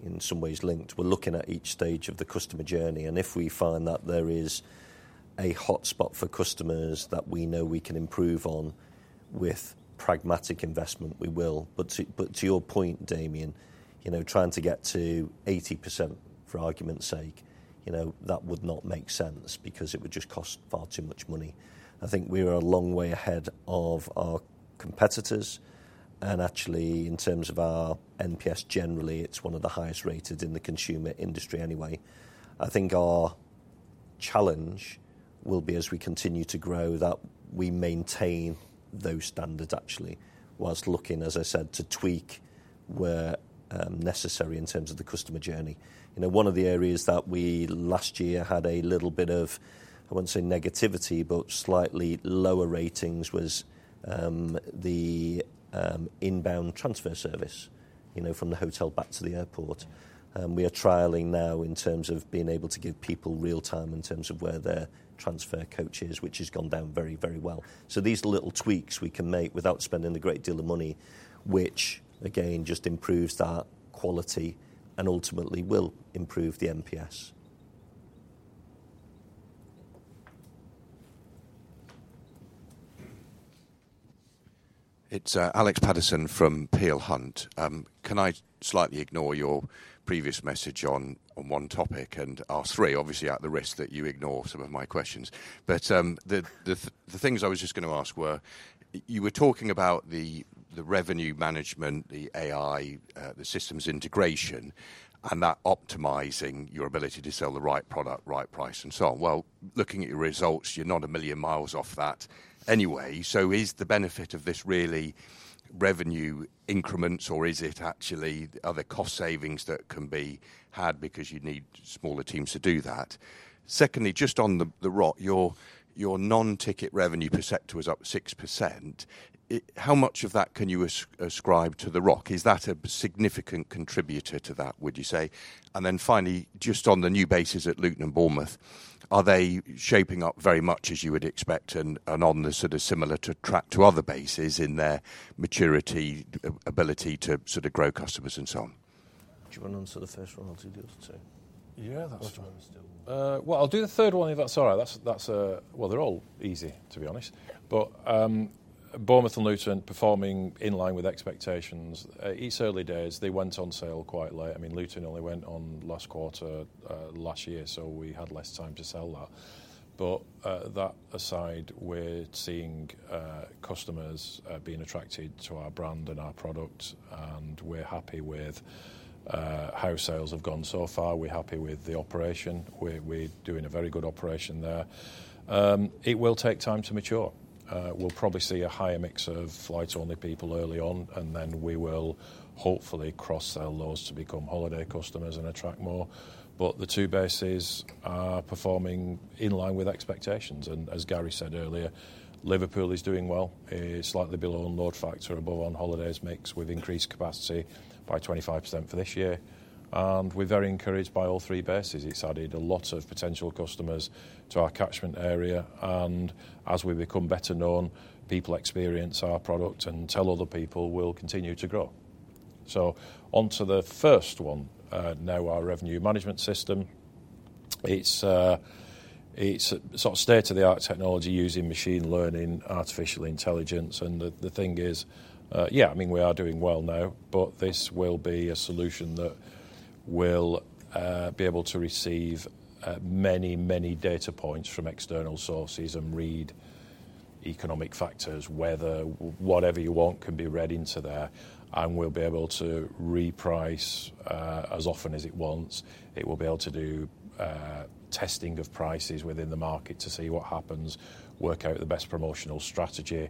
in some ways linked. We're looking at each stage of the customer journey. If we find that there is a hot spot for customers that we know we can improve on with pragmatic investment, we will. But to your point, Damien, trying to get to 80%, for argument's sake, that would not make sense because it would just cost far too much money. I think we are a long way ahead of our competitors. Actually, in terms of our NPS generally, it's one of the highest rated in the consumer industry anyway. I think our challenge will be, as we continue to grow, that we maintain those standards, actually, while looking, as I said, to tweak where necessary in terms of the customer journey. One of the areas that we last year had a little bit of, I won't say negativity, but slightly lower ratings was the inbound transfer service from the hotel back to the airport. We are trialing now in terms of being able to give people real-time in terms of where their transfer coach is, which has gone down very, very well. So these little tweaks we can make without spending a great deal of money, which, again, just improves that quality and ultimately will improve the NPS. It's Alex Patterson from Peel Hunt. Can I slightly ignore your previous message on one topic and ask three, obviously, at the risk that you ignore some of my questions? But the things I was just going to ask were, you were talking about the revenue management, the AI, the systems integration, and that optimising your ability to sell the right product, right price, and so on. Well, looking at your results, you're not a million miles off that anyway. Is the benefit of this really revenue increments, or is it actually other cost savings that can be had because you need smaller teams to do that? Secondly, just on the ROC, your non-ticket revenue per sector was up 6%. How much of that can you ascribe to the ROC? Is that a significant contributor to that, would you say? Then finally, just on the new bases at Luton and Bournemouth, are they shaping up very much as you would expect and on the sort of similar to track to other bases in their maturity, ability to grow customers and so on? Do you want to answer the first one or do you do the second? Yeah, that's fine. Well, I'll do the third one if that's all right. Well, they're all easy, to be honest. But Bournemouth and Luton performing in line with expectations. It's early days. They went on sale quite late. I mean, Luton only went on last quarter last year, so we had less time to sell that. But that aside, we're seeing customers being attracted to our brand and our product, and we're happy with how sales have gone so far. We're happy with the operation. We're doing a very good operation there. It will take time to mature. We'll probably see a higher mix of flights-only people early on, and then we will hopefully cross-sell those to become holiday customers and attract more. But the two bases are performing in line with expectations. As Gary said earlier, Liverpool is doing well. It's slightly below on load factor, above on holidays mix with increased capacity by 25% for this year. We're very encouraged by all three bases. It's added a lot of potential customers to our catchment area. As we become better known, people experience our product and tell other people we'll continue to grow. So onto the first one, now our revenue management system. It's sort of state-of-the-art technology using machine learning, artificial intelligence. The thing is, yeah, I mean, we are doing well now, but this will be a solution that will be able to receive many, many data points from external sources and read economic factors, weather, whatever you want can be read into there. We'll be able to reprice as often as it wants. It will be able to do testing of prices within the market to see what happens, work out the best promotional strategy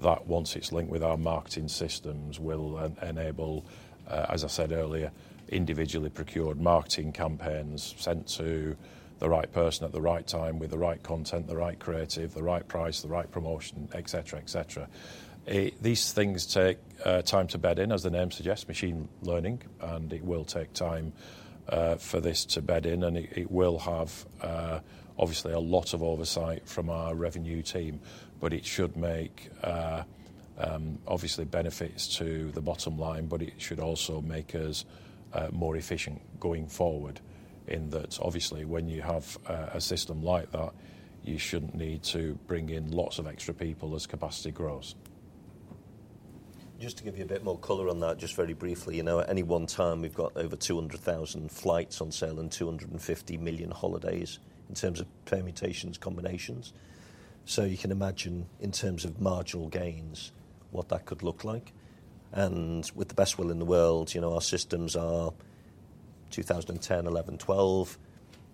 that, once it's linked with our marketing systems, will enable, as I said earlier, individually procured marketing campaigns sent to the right person at the right time with the right content, the right creative, the right price, the right promotion, etc., etc. These things take time to bed in, as the name suggests, machine learning, and it will take time for this to bed in. It will have, obviously, a lot of oversight from our revenue team, but it should make, obviously, benefits to the bottom line, but it should also make us more efficient going forward in that, obviously, when you have a system like that, you shouldn't need to bring in lots of extra people as capacity grows. Just to give you a bit more color on that, just very briefly, at any one time, we've got over 200,000 flights on sale and 250 million holidays in terms of permutations, combinations. You can imagine in terms of marginal gains what that could look like. With the best will in the world, our systems are 2010, 2011, 2012,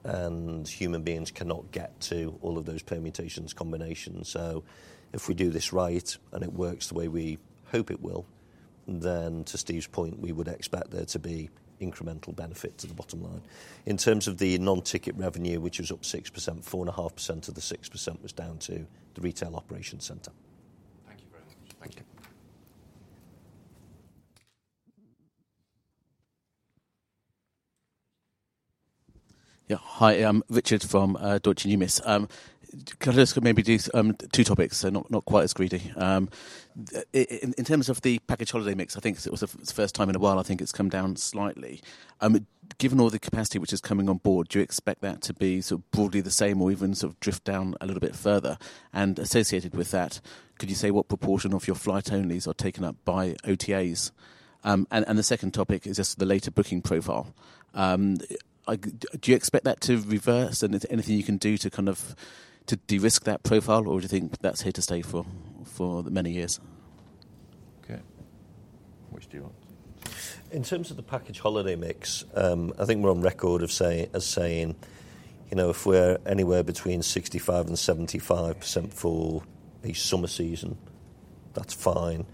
and human beings cannot get to all of those permutations, combinations. If we do this right and it works the way we hope it will, then to Steve's point, we would expect there to be incremental benefit to the bottom line. In terms of the non-ticket revenue, which was up 6%, 4.5% of the 6% was down to the retail operations center. Thank you very much. Thank you. Yeah, hi. I'm Richard from Deutsche Numis. Can I just maybe do two topics? They're not quite as greedy. In terms of the package holiday mix, I think it was the first time in a while, I think it's come down slightly. Given all the capacity which is coming on board, do you expect that to be sort of broadly the same or even sort of drift down a little bit further? Associated with that, could you say what proportion of your flight-onlys are taken up by OTAs? The second topic is just the later booking profile. Do you expect that to reverse? Is there anything you can do to de-risk that profile, or do you think that's here to stay for many years? Okay. Which do you want? In terms of the package holiday mix, I think we're on record of saying if we're anywhere between 65% and 75% for the summer season, that's fine.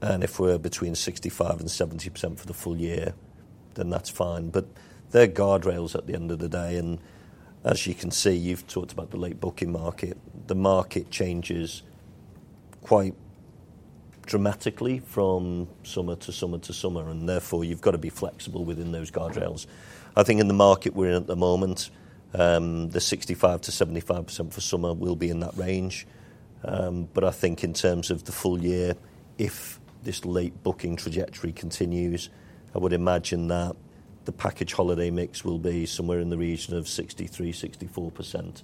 If we're between 65% and 70% for the full year, then that's fine. There are guardrails at the end of the day. As you can see, you've talked about the late booking market. The market changes quite dramatically from summer to summer to summer. Therefore, you've got to be flexible within those guardrails. I think in the market we're in at the moment, the 65%-75% for summer will be in that range. I think in terms of the full year, if this late booking trajectory continues, I would imagine that the package holiday mix will be somewhere in the region of 63%-64%.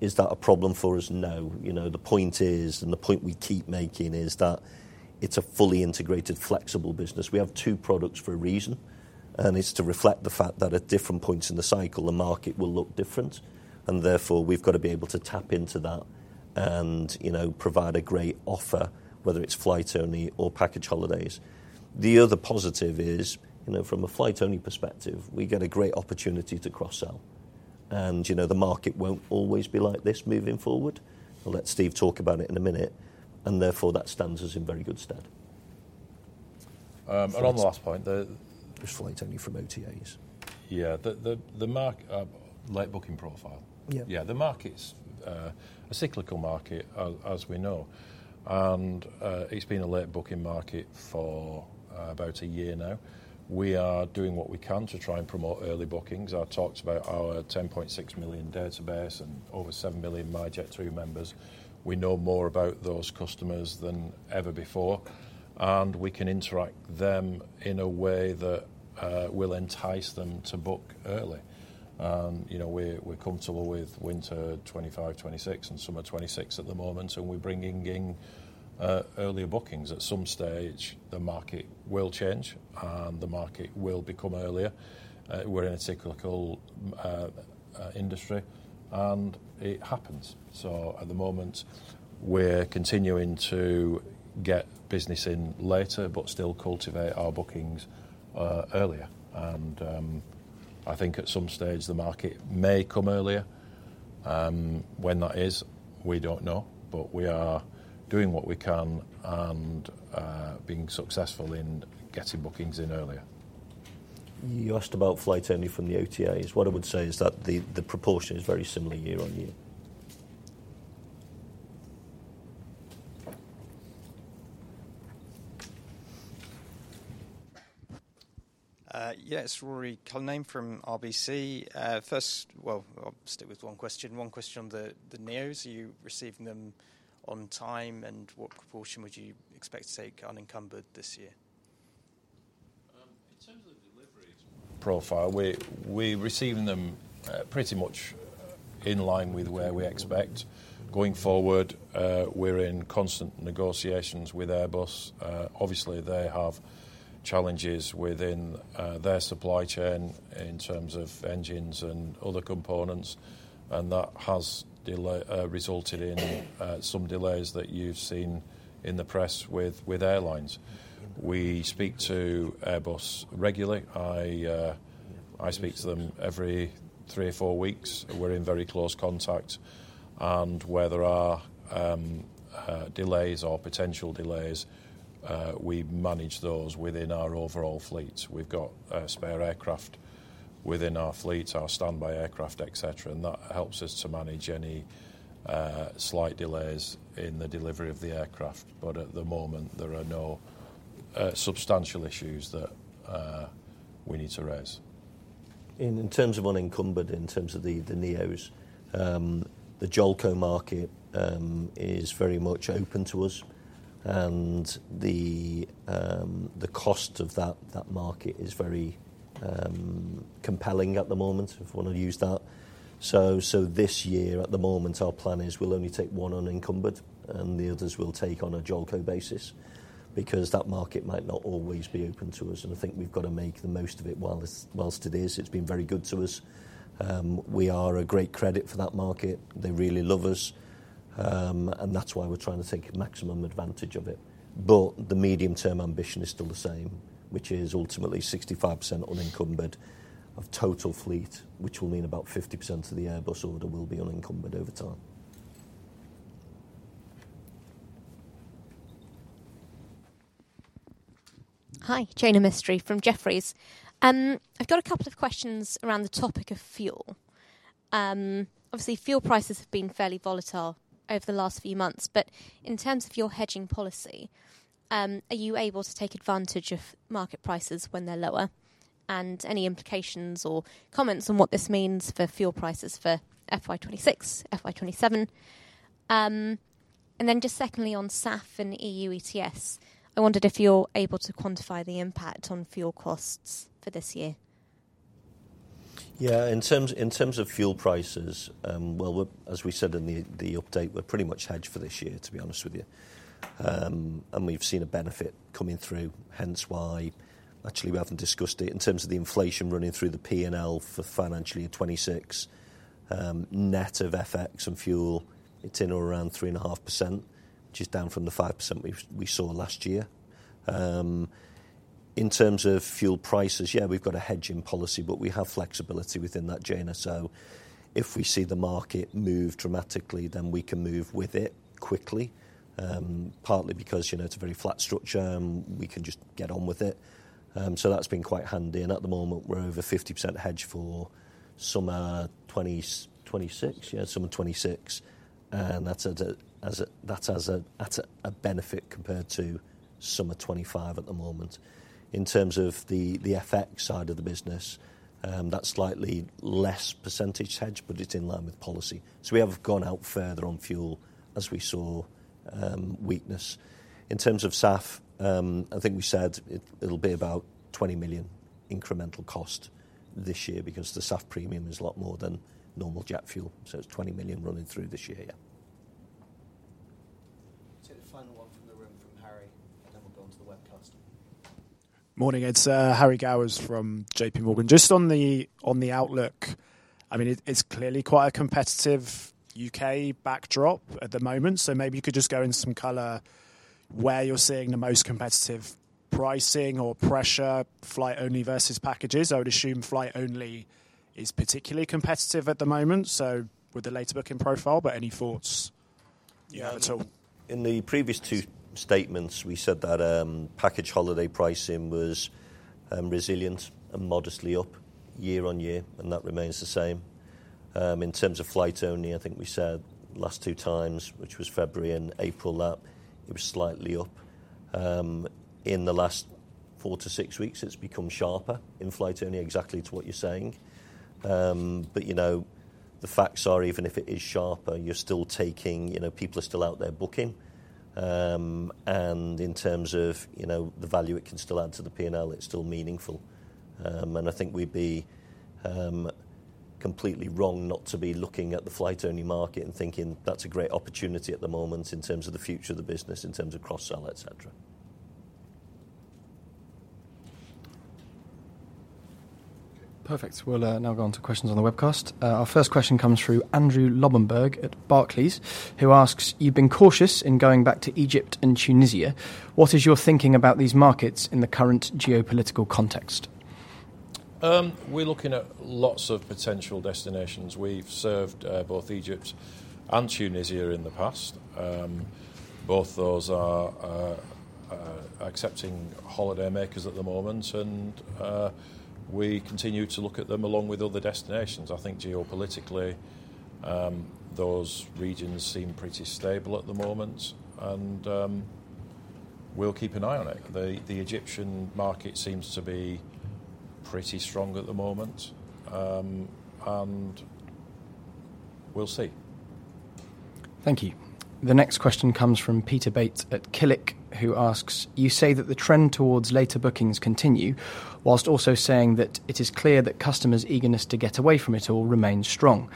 Is that a problem for us now? The point is, and the point we keep making is that it's a fully integrated, flexible business. We have two products for a reason, and it's to reflect the fact that at different points in the cycle, the market will look different. Therefore, we've got to be able to tap into that and provide a great offer, whether it's flight-only or package holidays. The other positive is, from a flight-only perspective, we get a great opportunity to cross-sell. The market won't always be like this moving forward. I'll let Steve talk about it in a minute. Therefore, that stands us in very good stead. On the last point, the flight-only from OTAs. Yeah, the late booking profile. Yeah, the market's a cyclical market, as we know. It's been a late booking market for about a year now. We are doing what we can to try and promote early bookings. I talked about our 10.6 million database and over 7 million myJet2 members. We know more about those customers than ever before. We can interact with them in a way that will entice them to book early. We're comfortable with winter 2025, 2026, and summer 2026 at the moment. We're bringing in earlier bookings. At some stage, the market will change, and the market will become earlier. We're in a cyclical industry, and it happens. At the moment, we're continuing to get business in later but still cultivate our bookings earlier. I think at some stage, the market may come earlier. When that is, we don't know, but we are doing what we can and being successful in getting bookings in earlier. You asked about flight-only from the OTAs. What I would say is that the proportion is very similar year on year. Yeah, it's Ruairi Cullinane from RBC. First, well, I'll stick with one question. One question on the NEOs. Are you receiving them on time, and what proportion would you expect to take unencumbered this year? In terms of deliveries profile, we're receiving them pretty much in line with where we expect. Going forward, we're in constant negotiations with Airbus. Obviously, they have challenges within their supply chain in terms of engines and other components. hat has resulted in some delays that you've seen in the press with airlines. We speak to Airbus regularly. I speak to them every three or four weeks. We're in very close contact. Where there are delays or potential delays, we manage those within our overall fleet. We've got spare aircraft within our fleet, our standby aircraft, etc. And that helps us to manage any slight delays in the delivery of the aircraft. But at the moment, there are no substantial issues that we need to raise. In terms of unencumbered, in terms of the NEOs, the JOLCO market is very much open to us. And the cost of that market is very compelling at the moment, if you want to use that. So this year, at the moment, our plan is we'll only take one unencumbered, and the others we'll take on a JOLCO basis because that market might not always be open to us. We've got to make the most of it whilst it is. It's been very good to us. We are a great credit for that market. They really love us. That's why we're trying to take maximum advantage of it. But the medium-term ambition is still the same, which is ultimately 65% unencumbered of total fleet, which will mean about 50% of the Airbus order will be unencumbered over time. Hi, Jain Mistry from Jefferies. I've got a couple of questions around the topic of fuel. Obviously, fuel prices have been fairly volatile over the last few months. But in terms of your hedging policy, are you able to take advantage of market prices when they're lower? Any implications or comments on what this means for fuel prices for FY26, FY27? Then just secondly, on SAF and EU ETS, I wondered if you're able to quantify the impact on fuel costs for this year. In terms of fuel prices, well, as we said in the update, we're pretty much hedged for this year, to be honest with you. We've seen a benefit coming through, hence why actually we haven't discussed it. In terms of the inflation running through the P&L for financial year 2026, net of FX and fuel, it's in or around 3.5%, which is down from the 5% we saw last year. In terms of fuel prices, yeah, we've got a hedging policy, but we have flexibility within that, Jain. If we see the market move dramatically, then we can move with it quickly, partly because it's a very flat structure and we can just get on with it. That's been quite handy. At the moment, we're over 50% hedged for summer 2026, yeah, summer 2026. That's at a benefit compared to summer 2025 at the moment. In terms of the FX side of the business, that's slightly less percentage hedge, but it's in line with policy. We have gone out further on fuel as we saw weakness. In terms of SAF, I think we said it'll be about 20 million incremental cost this year because the SAF premium is a lot more than normal jet fuel. It's 20 million running through this year, yeah. The final one from the room from Harry, and then we'll go on to the webcast. Morning, it's Harry Gowers from JP Morgan. Just on the outlook, I mean, it's clearly quite a competitive UK backdrop at the moment. Could just go in some color where you're seeing the most competitive pricing or pressure, flight-only versus packages. I would assume flight-only is particularly competitive at the moment, so with the later booking profile, but any thoughts? In the previous two statements, we said that package holiday pricing was resilient and modestly up year on year, and that remains the same. In terms of flight-only, I think we said last two times, which was February and April, that it was slightly up. In the last four to six weeks, it's become sharper in flight-only, exactly to what you're saying. But the facts are, even if it is sharper, you're still taking people are still out there booking. In terms of the value it can still add to the P&L, it's still meaningful. I think we'd be completely wrong not to be looking at the flight-only market and thinking that's a great opportunity at the moment in terms of the future of the business, in terms of cross-sell, etc. Perfect. We'll now go on to questions on the webcast. Our first question comes through Andrew Lobenberg at Barclays, who asks, "You've been cautious in going back to Egypt and Tunisia. What is your thinking about these markets in the current geopolitical context?" We're looking at lots of potential destinations. We've served both Egypt and Tunisia in the past. Both those are accepting holidaymakers at the moment. We continue to look at them along with other destinations. I think geopolitically, those regions seem pretty stable at the moment. We'll keep an eye on it. The Egyptian market seems to be pretty strong at the moment. We'll see. Thank you. The next question comes from Peter Bates at Killick, who asks, "You say that the trend towards later bookings continue, while also saying that it is clear that customers' eagerness to get away from it all remains strong.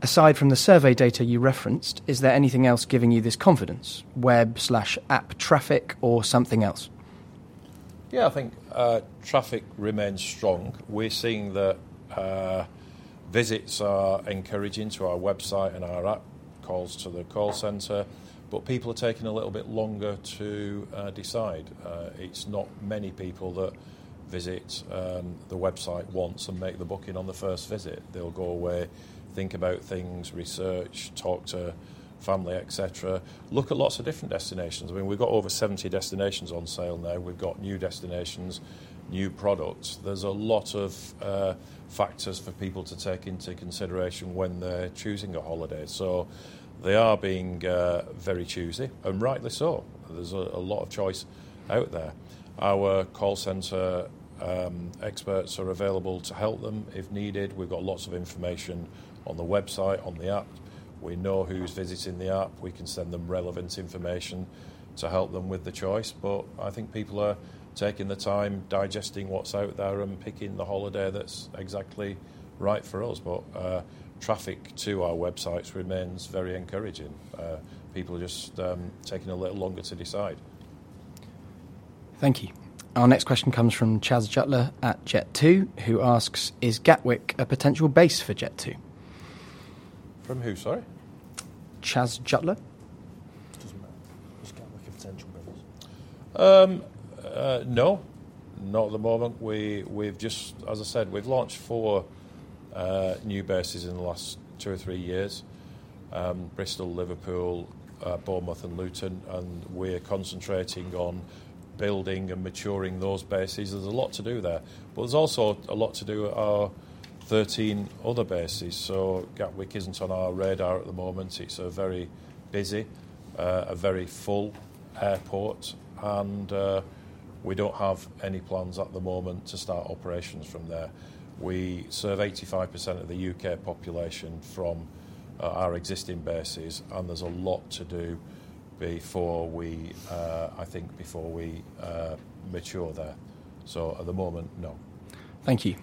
Aside from the survey data you referenced, is there anything else giving you this confidence? Web/app traffic or something else?" Yeah, I think traffic remains strong. We're seeing that visits are encouraging to our website and our app, calls to the call center. People are taking a little bit longer to decide. It's not many people that visit the website once and make the booking on the first visit. They'll go away, think about things, research, talk to family, etc., look at lots of different destinations. I mean, we've got over 70 destinations on sale now. We've got new destinations, new products. There's a lot of factors for people to take into consideration when they're choosing a holiday. So they are being very choosy, and rightly so. There's a lot of choice out there. Our call center experts are available to help them if needed. We've got lots of information on the website, on the app. We know who's visiting the app. We can send them relevant information to help them with the choice. But I think people are taking the time digesting what's out there and picking the holiday that's exactly right for us. But traffic to our websites remains very encouraging. People are just taking a little longer to decide. Thank you. Our next question comes from the chat tool at Jet2, who asks, "Is Gatwick a potential base for Jet2?" From who, sorry? The chat tool. Does Gatwick have potential bases? No, not at the moment. As I said, we've launched four new bases in the last two or three years: Bristol, Liverpool, Bournemouth, and Luton. We're concentrating on building and maturing those bases. There's a lot to do there. There's also a lot to do at our 13 other bases. So Gatwick isn't on our radar at the moment. It's a very busy, a very full airport. We don't have any plans at the moment to start operations from there. We serve 85% of the UK population from our existing bases. There's a lot to do before we, I think, before we mature there. So at the moment, no. Thank you.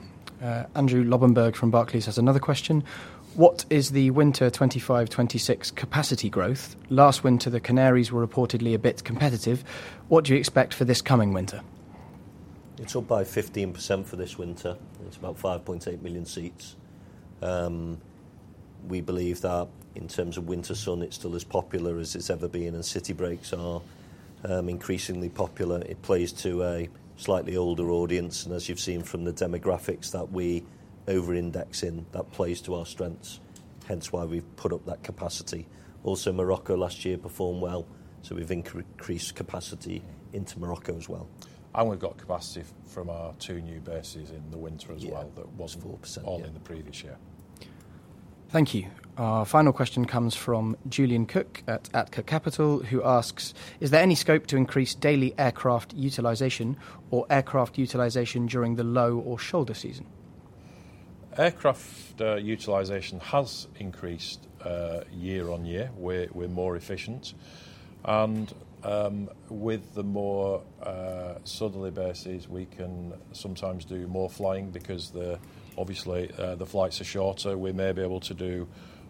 Andrew Lobenberg from Barclays has another question. What is the winter 2025, 2026 capacity growth? Last winter, the Canaries were reportedly a bit competitive. What do you expect for this coming winter? It's up by 15% for this winter. It's about 5.8 million seats. We believe that in terms of winter sun, it's still as popular as it's ever been, and city breaks are increasingly popular. It plays to a slightly older audience, and as you've seen from the demographics that we over-index in, that plays to our strengths, hence why we've put up that capacity. Also, Morocco last year performed well, so we've increased capacity into Morocco as well, and we've got capacity from our two new bases in the winter as well that wasn't on in the previous year. Thank you. Our final question comes from Julian Cook at Otus Capital, who asks, "Is there any scope to increase daily aircraft utilization or aircraft utilization during the low or shoulder season?" Aircraft utilization has increased year on year. We're more efficient. With the more southerly bases, we can sometimes do more flying because obviously the flights are shorter. We may be able to do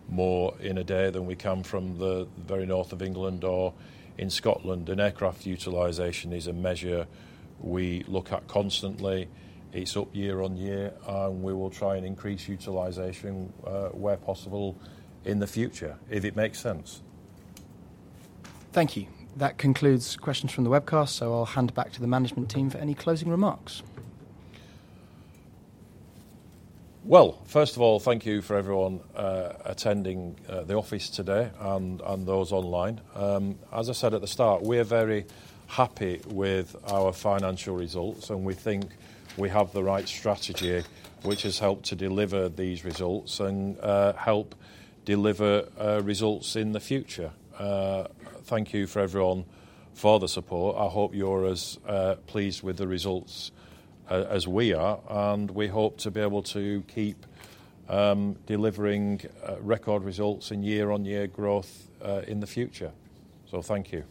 more in a day than we can from the very north of England or in Scotland. Aircraft utilization is a measure we look at constantly. It's up year on year. We will try and increase utilization where possible in the future, if it makes sense. Thank you. That concludes questions from the webcast. I'll hand back to the management team for any closing remarks. First of all, thank you for everyone attending the office today and those online. As I said at the start, we're very happy with our financial results. We think we have the right strategy, which has helped to deliver these results and help deliver results in the future. Thank you for everyone for the support. I hope you're as pleased with the results as we are. We hope to be able to keep delivering record results in year-on-year growth in the future. So thank you.